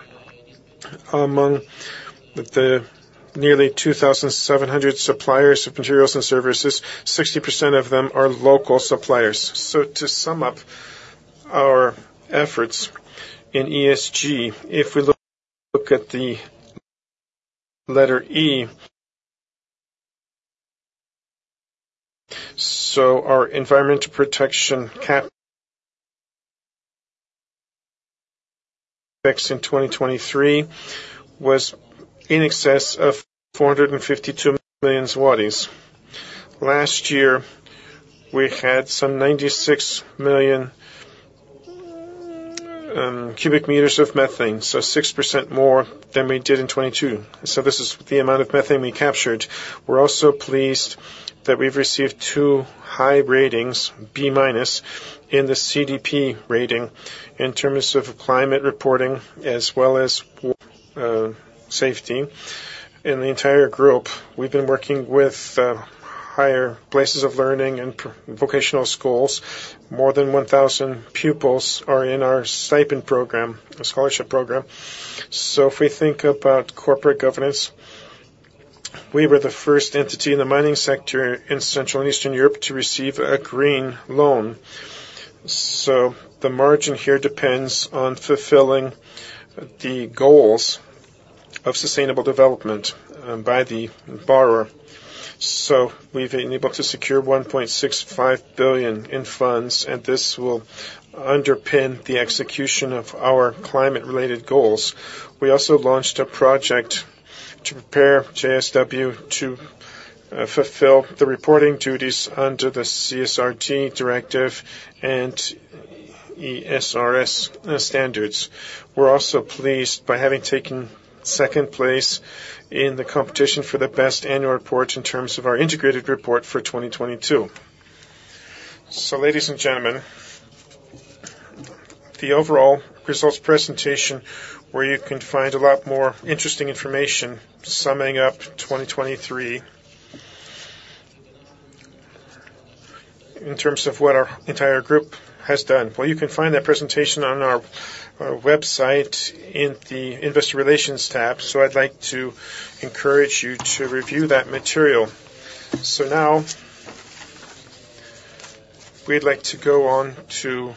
Speaker 1: among the nearly 2,700 suppliers of materials and services, 60% of them are local suppliers. So to sum up our efforts in ESG, if we look, look at the letter E. So our environmental protection capex in 2023 was in excess of 452 million zlotys. Last year, we had some 96 MMCM of methane, so 6% more than we did in 2022. So this is the amount of methane we captured. We're also pleased that we've received two high ratings, B-, in the CDP rating, in terms of climate reporting as well as safety. In the entire group, we've been working with higher places of learning and vocational schools. More than 1,000 pupils are in our stipend program, a scholarship program. So if we think about corporate governance, we were the first entity in the mining sector in Central and Eastern Europe to receive a green loan. So the margin here depends on fulfilling the goals of sustainable development by the borrower. So we've been able to secure 1.65 billion in funds, and this will underpin the execution of our climate-related goals. We also launched a project to prepare JSW to fulfill the reporting duties under the CSRD directive and ESRS standards. We're also pleased by having taken second place in the competition for the best annual report in terms of our integrated report for 2022. So ladies and gentlemen, the overall results presentation, where you can find a lot more interesting information summing up 2023 in terms of what our entire group has done. Well, you can find that presentation on our website in the Investor Relations tab, so I'd like to encourage you to review that material. So now, we'd like to go on to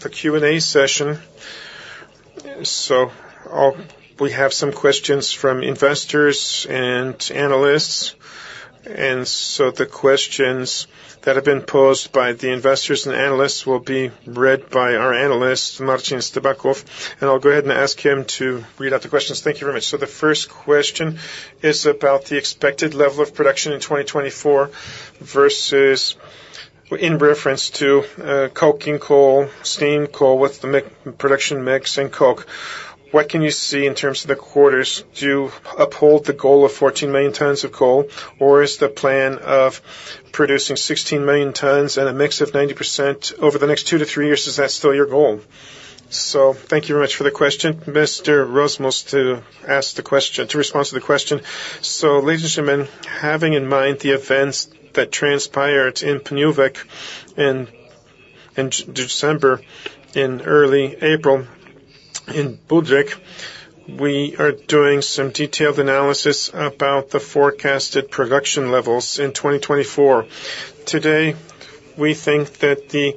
Speaker 1: the Q&A session. So I'll we have some questions from investors and analysts, and so the questions that have been posed by the investors and analysts will be read by our analyst, [Marcin Stępak], and I'll go ahead and ask him to read out the questions.
Speaker 5: Thank you very much. So the first question is about the expected level of production in 2024 versus in reference to, coking coal, steam coal, with the production mix and coke. What can you see in terms of the quarters? Do you uphold the goal of 14 million tons of coal, or is the plan of producing 16 million tons and a mix of 90% over the next two to three years, is that still your goal?
Speaker 1: So thank you very much for the question. Mr. Rozmus, to ask the question, to respond to the question.
Speaker 2: So ladies and gentlemen, having in mind the events that transpired in Pniówek in December, in early April in Budryk, we are doing some detailed analysis about the forecasted production levels in 2024. Today, we think that the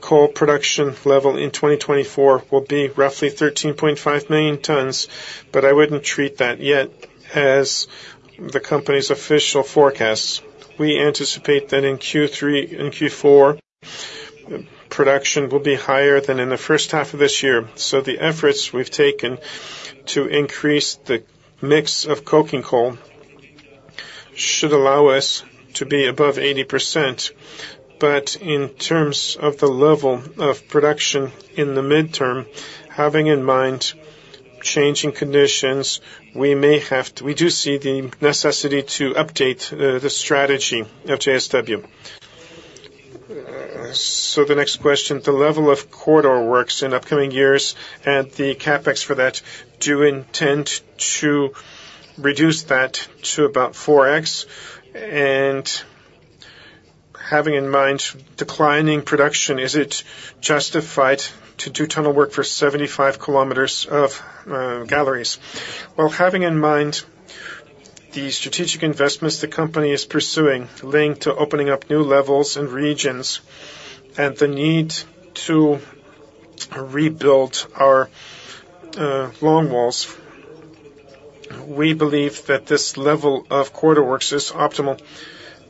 Speaker 2: coal production level in 2024 will be roughly 13.5 million tons, but I wouldn't treat that yet as the company's official forecast. We anticipate that in Q3 and Q4, production will be higher than in the first half of this year. So the efforts we've taken to increase the mix of coking coal should allow us to be above 80%. But in terms of the level of production in the midterm, having in mind changing conditions, we may have to, we do see the necessity to update the strategy of JSW.
Speaker 5: The next question: the level of [quarter] works in upcoming years and the CapEx for that, do you intend to reduce that to about 4x?
Speaker 1: And having in mind declining production, is it justified to do tunnel work for 75 km of galleries?
Speaker 2: Well, having in mind the strategic investments the company is pursuing, linked to opening up new levels and regions, and the need to rebuild our longwalls, we believe that this level of quarter works is optimal,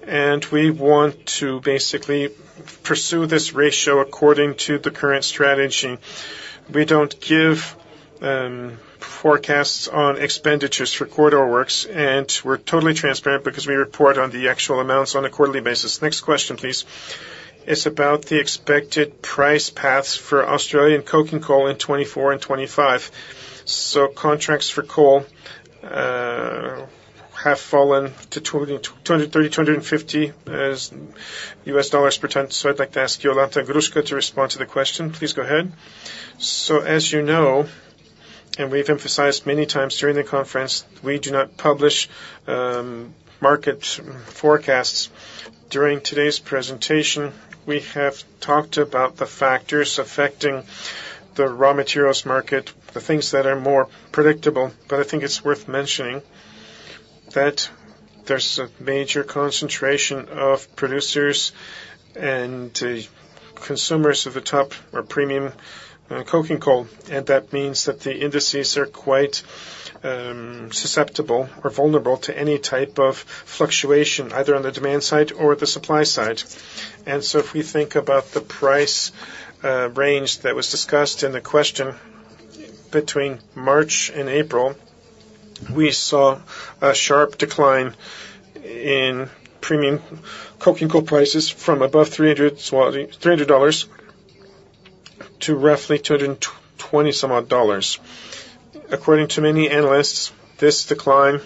Speaker 2: and we want to basically pursue this ratio according to the current strategy. We don't give forecasts on expenditures for corridor works, and we're totally transparent because we report on the actual amounts on a quarterly basis.
Speaker 1: Next question, please.
Speaker 5: It's about the expected price paths for Australian coking coal in 2024 and 2025. So contracts for coal have fallen to $230-$250 per ton.
Speaker 1: So I'd like to ask Jolanta Gruszka to respond to the question. Please go ahead.
Speaker 3: So as you know, and we've emphasized many times during the conference, we do not publish market forecasts. During today's presentation, we have talked about the factors affecting the raw materials market, the things that are more predictable, but I think it's worth mentioning that there's a major concentration of producers and consumers of the top or premium coking coal, and that means that the indices are quite susceptible or vulnerable to any type of fluctuation, either on the demand side or the supply side. If we think about the price range that was discussed in the question, between March and April, we saw a sharp decline in premium coking coal prices from above $300, so $300 to roughly [$220 some odd dollars]. According to many analysts, this decline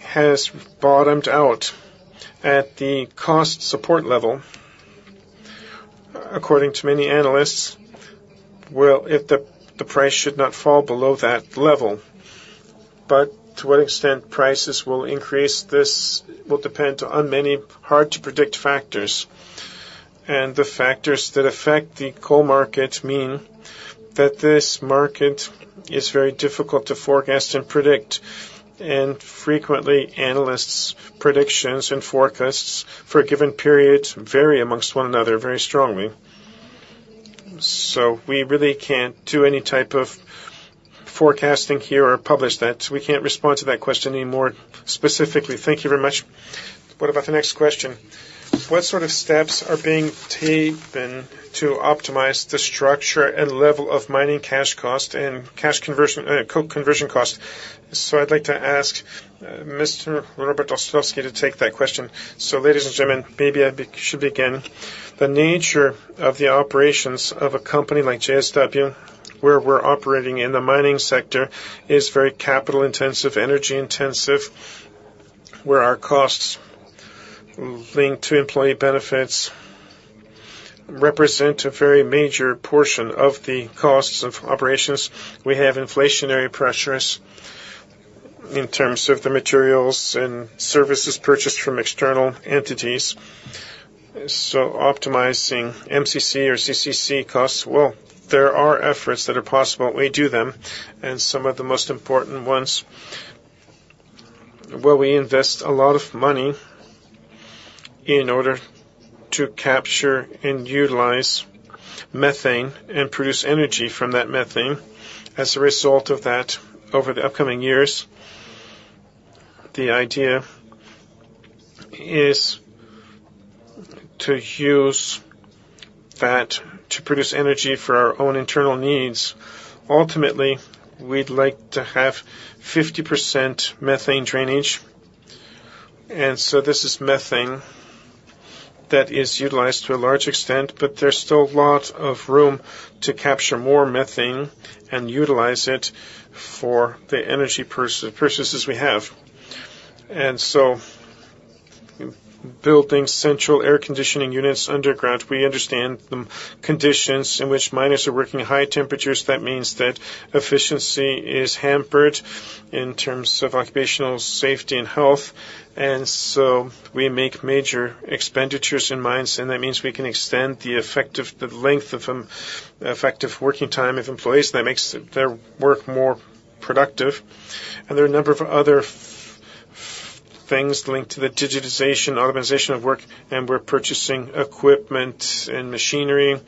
Speaker 3: has bottomed out at the cost support level. According to many analysts, well, if the price should not fall below that level. But to what extent prices will increase, this will depend on many hard to predict factors. And the factors that affect the coal market mean that this market is very difficult to forecast and predict, and frequently, analysts' predictions and forecasts for a given period vary among one another very strongly. So we really can't do any type of forecasting here or publish that. We can't respond to that question any more specifically.
Speaker 1: Thank you very much. What about the next question?
Speaker 5: What sort of steps are being taken to optimize the structure and level of mining cash cost and cash conversion, coke conversion cost?
Speaker 1: So I'd like to ask, Mr. Robert Ostrowski to take that question.
Speaker 4: So ladies and gentlemen, maybe I should begin. The nature of the operations of a company like JSW, where we're operating in the mining sector, is very capital intensive, energy intensive, where our costs linked to employee benefits represent a very major portion of the costs of operations. We have inflationary pressures in terms of the materials and services purchased from external entities. So optimizing MCC or CCC costs, well, there are efforts that are possible. We do them, and some of the most important ones, where we invest a lot of money in order to capture and utilize methane and produce energy from that methane. As a result of that, over the upcoming years, the idea is to use that to produce energy for our own internal needs. Ultimately, we'd like to have 50% methane drainage, and so this is methane that is utilized to a large extent, but there's still a lot of room to capture more methane and utilize it for the energy purposes we have. And so building central air conditioning units underground, we understand the conditions in which miners are working at high temperatures. That means that efficiency is hampered in terms of occupational safety and health, and so we make major expenditures in mines, and that means we can extend the effective, the length of effective working time of employees. That makes their work more productive. And there are a number of other things linked to the digitization, optimization of work, and we're purchasing equipment and machinery,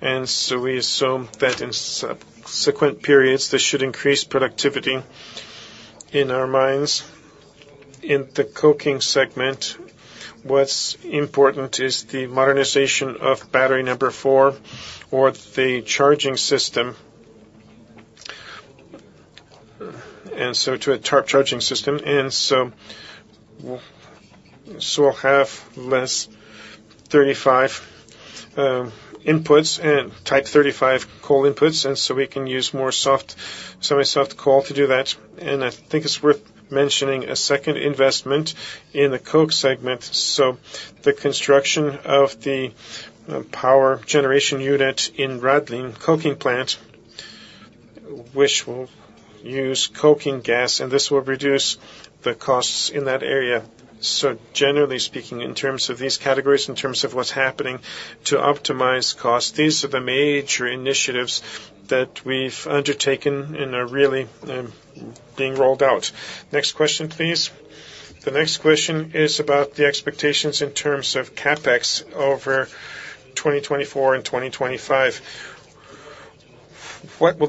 Speaker 4: and so we assume that in subsequent periods, this should increase productivity in our mines. In the coking segment, what's important is the modernization of battery number four or the charging system. And so to a top charging system, and so, so we'll have less 35 inputs and Type 35 coal inputs, and so we can use more soft, semi-soft coal to do that. And I think it's worth mentioning a second investment in the coke segment. So the construction of the power generation unit in Radlin coking plant, which will use coking gas, and this will reduce the costs in that area. So generally speaking, in terms of these categories, in terms of what's happening to optimize costs, these are the major initiatives that we've undertaken and are really being rolled out.
Speaker 1: Next question, please.
Speaker 5: The next question is about the expectations in terms of CapEx over 2024 and 2025. What will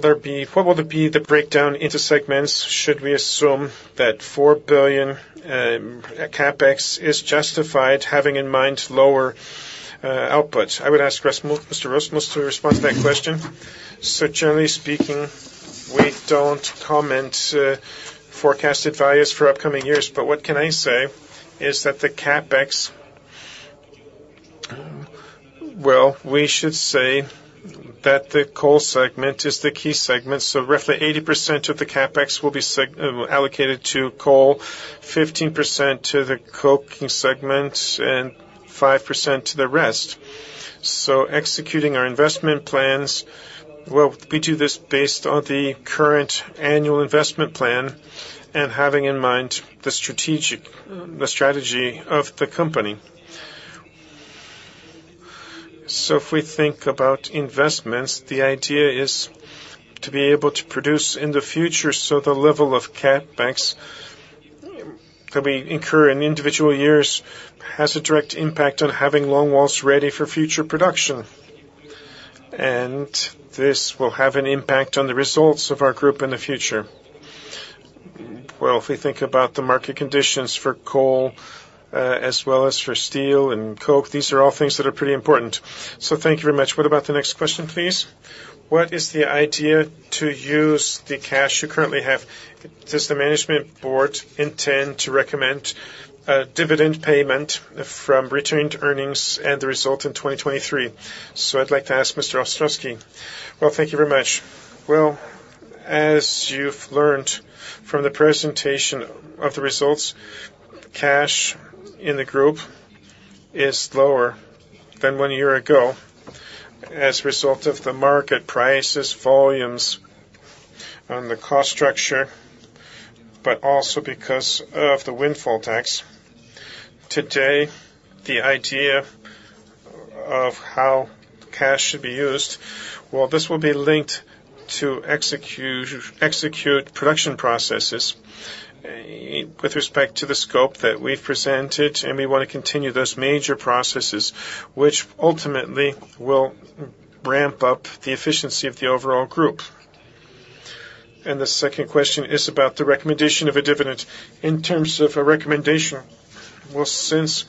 Speaker 5: be the breakdown into segments? Should we assume that 4 billion CapEx is justified, having in mind lower output?
Speaker 1: I would ask Mr. Rozmus to respond to that question.
Speaker 2: So generally speaking, we don't comment forecasted values for upcoming years, but what can I say is that the CapEx, well, we should say that the coal segment is the key segment. So roughly 80% of the CapEx will be allocated to coal, 15% to the coking segment, and 5% to the rest. So executing our investment plans, well, we do this based on the current annual investment plan and having in mind the strategic, the strategy of the company. So if we think about investments, the idea is to be able to produce in the future, so the level of CapEx that we incur in individual years has a direct impact on having longwalls ready for future production. And this will have an impact on the results of our group in the future. Well, if we think about the market conditions for coal, as well as for steel and coke, these are all things that are pretty important.
Speaker 1: So thank you very much. What about the next question, please?
Speaker 5: What is the idea to use the cash you currently have? Does the management board intend to recommend a dividend payment from retained earnings and the result in 2023?
Speaker 1: So I'd like to ask Mr. Ostrowski.
Speaker 4: Well, thank you very much. Well, as you've learned from the presentation of the results, cash in the group is lower than one year ago as a result of the market prices, volumes, and the cost structure, but also because of the windfall tax. Today, the idea of how cash should be used, well, this will be linked to execute production processes with respect to the scope that we've presented, and we want to continue those major processes, which ultimately will ramp up the efficiency of the overall group. And the second question is about the recommendation of a dividend. In terms of a recommendation, well, since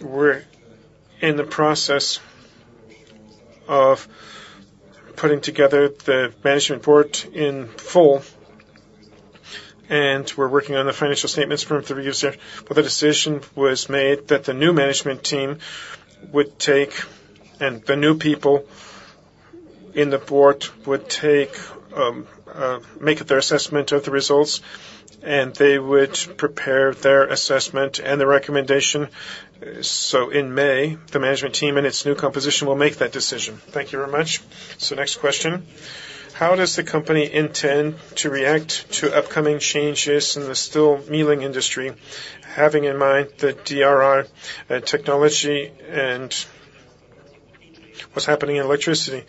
Speaker 4: we're in the process of putting together the management board in full, and we're working on the financial statements from the reviewer, but the decision was made that the new management team would take, and the new people in the board would take, make their assessment of the results, and they would prepare their assessment and the recommendation. So in May, the management team in its new composition will make that decision.
Speaker 1: Thank you very much. So next question.
Speaker 5: How does the company intend to react to upcoming changes in the steel milling industry, having in mind the DRI, technology and what's happening in electricity?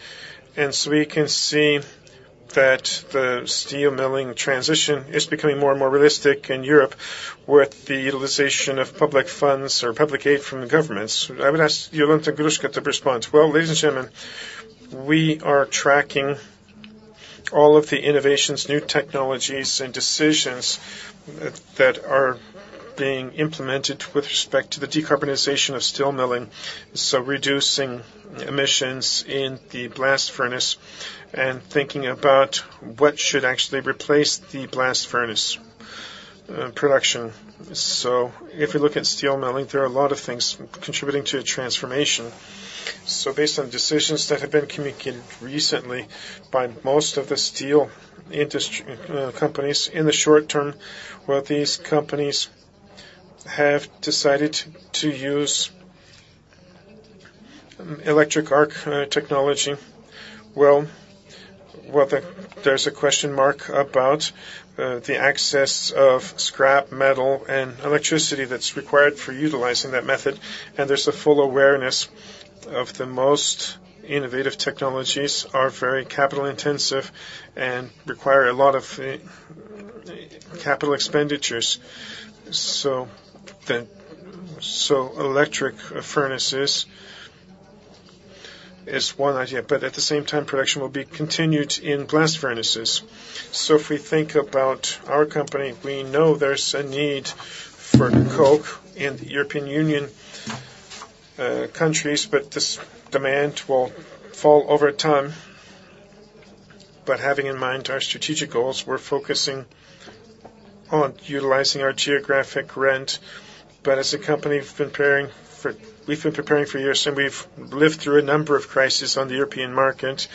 Speaker 5: And so we can see that the steel milling transition is becoming more and more realistic in Europe with the utilization of public funds or public aid from the governments.
Speaker 1: I would ask Jolanta Gruszka to respond.
Speaker 3: Well, ladies and gentlemen, we are tracking all of the innovations, new technologies, and decisions that are being implemented with respect to the decarbonization of steel milling, so reducing emissions in the blast furnace and thinking about what should actually replace the blast furnace production. So if you look at steel milling, there are a lot of things contributing to a transformation. So based on decisions that have been communicated recently by most of the steel industry companies in the short term, well, these companies have decided to use electric arc technology. Well, there's a question mark about the access of scrap metal and electricity that's required for utilizing that method, and there's a full awareness of the most innovative technologies are very capital intensive and require a lot of capital expenditures. So the, so electric furnaces is one idea, but at the same time, production will be continued in blast furnaces. So if we think about our company, we know there's a need for coke in the European Union countries, but this demand will fall over time. But having in mind our strategic goals, we're focusing on utilizing our geographic rent. But as a company, we've been preparing for years, and we've lived through a number of crises on the European market,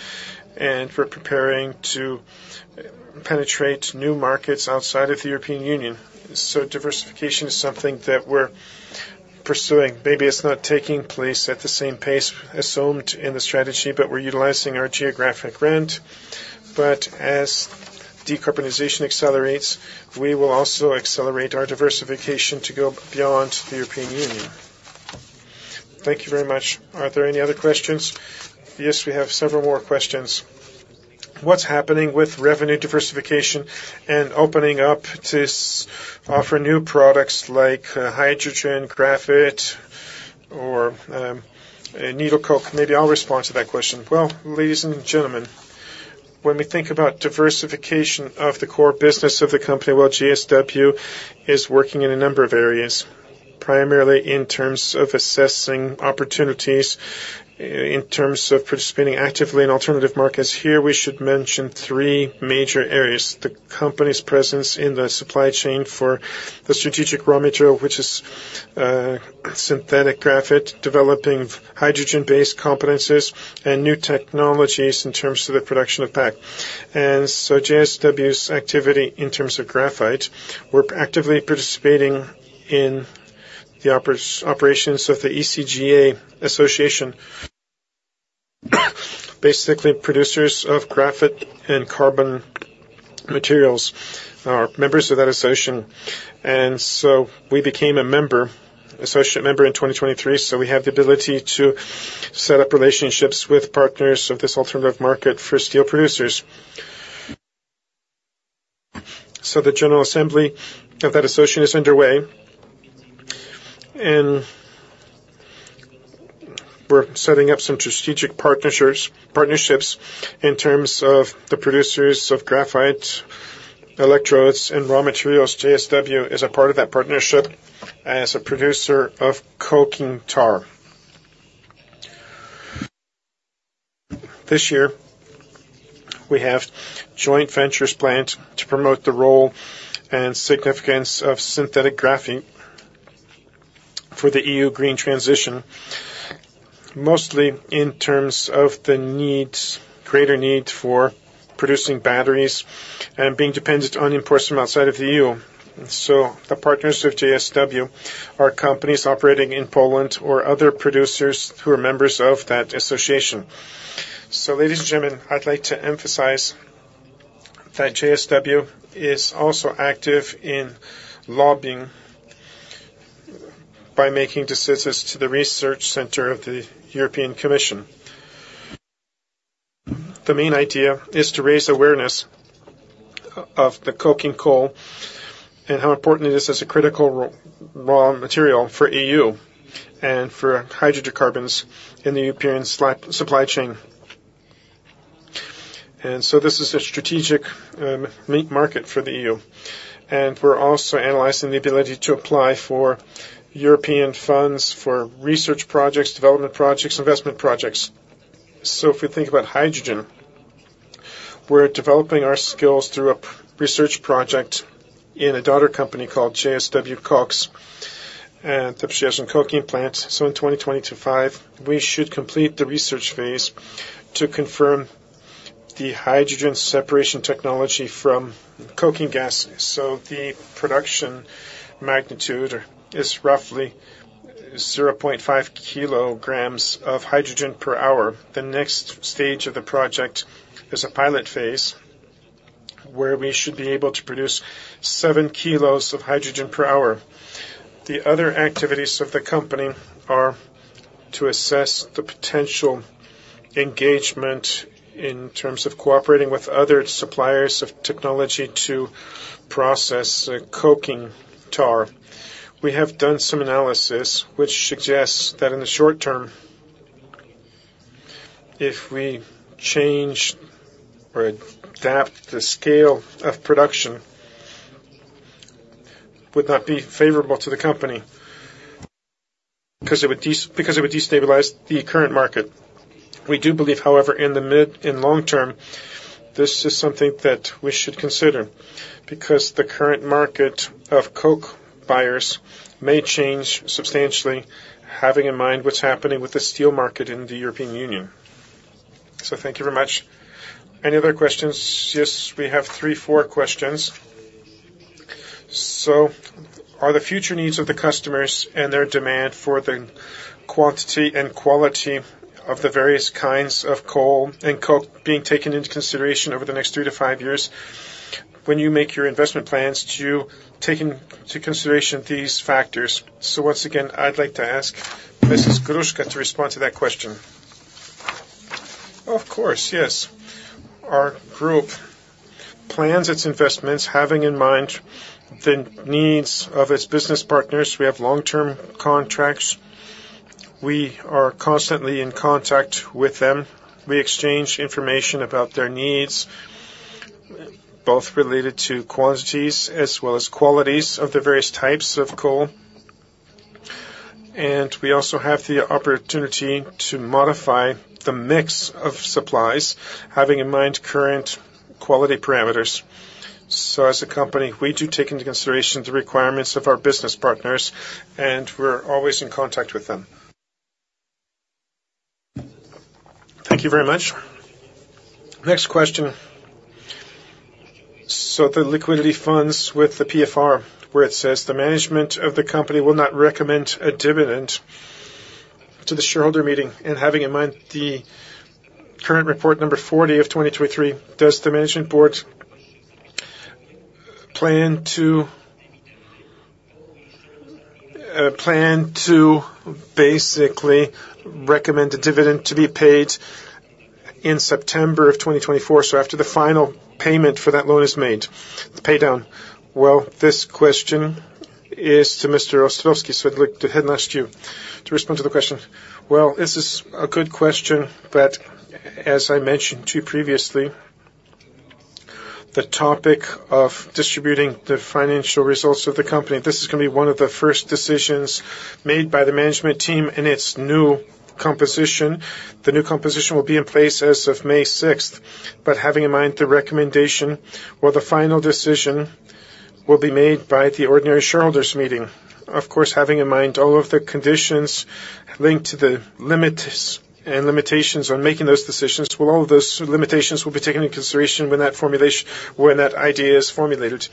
Speaker 3: and we're preparing to penetrate new markets outside of the European Union. So diversification is something that we're pursuing. Maybe it's not taking place at the same pace as assumed in the strategy, but we're utilizing our geographic rent. But as decarbonization accelerates, we will also accelerate our diversification to go beyond the European Union.
Speaker 1: Thank you very much. Are there any other questions?
Speaker 5: Yes, we have several more questions. What's happening with revenue diversification and opening up to offer new products like, uh, hydrogen, graphite, or, um, needle coke?
Speaker 1: Maybe I'll respond to that question. Well, ladies and gentlemen, when we think about diversification of the core business of the company, well, JSW is working in a number of areas. Primarily in terms of assessing opportunities, in terms of participating actively in alternative markets. Here, we should mention three major areas: the company's presence in the supply chain for the strategic raw material, which is, synthetic graphite, developing hydrogen-based competencies and new technologies in terms of the production of coke. And so JSW's activity in terms of graphite, we're actively participating in the operations of the ECGA Association. Basically, producers of graphite and carbon materials are members of that association, and so we became a member, associate member in 2023. So we have the ability to set up relationships with partners of this alternative market for steel producers. So the general assembly of that association is underway, and we're setting up some strategic partnerships, partnerships in terms of the producers of graphite, electrodes, and raw materials. JSW is a part of that partnership as a producer of coking tar. This year, we have joint ventures planned to promote the role and significance of synthetic graphene for the E.U. green transition, mostly in terms of the needs, greater need for producing batteries and being dependent on imports from outside of the E.U. So the partners of JSW are companies operating in Poland or other producers who are members of that association. So ladies and gentlemen, I'd like to emphasize that JSW is also active in lobbying by making decisions to the research center of the European Commission. The main idea is to raise awareness of the coking coal and how important it is as a critical raw material for E.U. and for hydrocarbons in the European supply chain. So this is a strategic key market for the E.U., and we're also analyzing the ability to apply for European funds for research projects, development projects, investment projects. So if we think about hydrogen, we're developing our skills through a research project in a daughter company called JSW KOKS, and the processing coking plant. So in 2025, we should complete the research phase to confirm the hydrogen separation technology from coking gas. So the production magnitude is roughly 0.5 kg of hydrogen per hour. The next stage of the project is a pilot phase, where we should be able to produce 7 kg of hydrogen per hour. The other activities of the company are to assess the potential engagement in terms of cooperating with other suppliers of technology to process, coking tar. We have done some analysis which suggests that in the short term, if we change or adapt, the scale of production would not be favorable to the company, 'cause it would because it would destabilize the current market. We do believe, however, in the mid and long term, this is something that we should consider, because the current market of coke buyers may change substantially, having in mind what's happening with the steel market in the European Union. So thank you very much. Any other questions?
Speaker 5: Yes, we have three, four questions. So are the future needs of the customers and their demand for the quantity and quality of the various kinds of coal and coke being taken into consideration over the next three to five years? When you make your investment plans, do you take into consideration these factors?
Speaker 1: So once again, I'd like to ask Mrs. Gruszka to respond to that question.
Speaker 3: Of course, yes. Our group plans its investments having in mind the needs of its business partners. We have long-term contracts. We are constantly in contact with them. We exchange information about their needs, both related to quantities as well as qualities of the various types of coal. And we also have the opportunity to modify the mix of supplies, having in mind current quality parameters. So as a company, we do take into consideration the requirements of our business partners, and we're always in contact with them.
Speaker 1: Thank you very much. Next question.
Speaker 5: So the liquidity funds with the PFR, where it says the management of the company will not recommend a dividend to the shareholder meeting, and having in mind the current report Number 40 of 2023, does the management board plan to, plan to basically recommend a dividend to be paid in September of 2024, so after the final payment for that loan is made, the pay down?
Speaker 1: Well, this question is to Mr. Ostrowski, so I'd like to ask you to respond to the question.
Speaker 4: Well, this is a good question, but as I mentioned to you previously, the topic of distributing the financial results of the company, this is gonna be one of the first decisions made by the management team in its new composition. The new composition will be in place as of May 6th, but having in mind the recommendation, well, the final decision will be made by the ordinary shareholders meeting. Of course, having in mind all of the conditions linked to the limits and limitations on making those decisions, well, all of those limitations will be taken into consideration when that formulation, when that idea is formulated.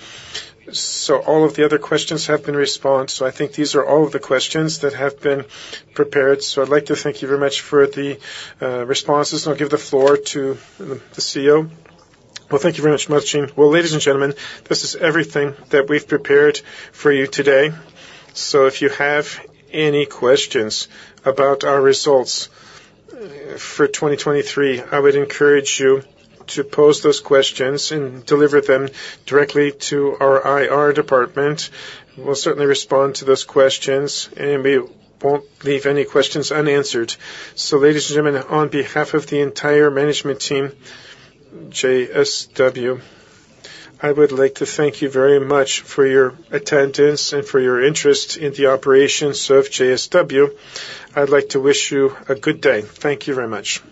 Speaker 5: So all of the other questions have been responded, so I think these are all of the questions that have been prepared. So I'd like to thank you very much for the responses. I'll give the floor to the CEO.
Speaker 1: Well, thank you very much, Marcin. Well, ladies and gentlemen, this is everything that we've prepared for you today. So if you have any questions about our results for 2023, I would encourage you to pose those questions and deliver them directly to our IR department. We'll certainly respond to those questions, and we won't leave any questions unanswered. So, ladies and gentlemen, on behalf of the entire management team, JSW, I would like to thank you very much for your attendance and for your interest in the operations of JSW. I'd like to wish you a good day. Thank you very much.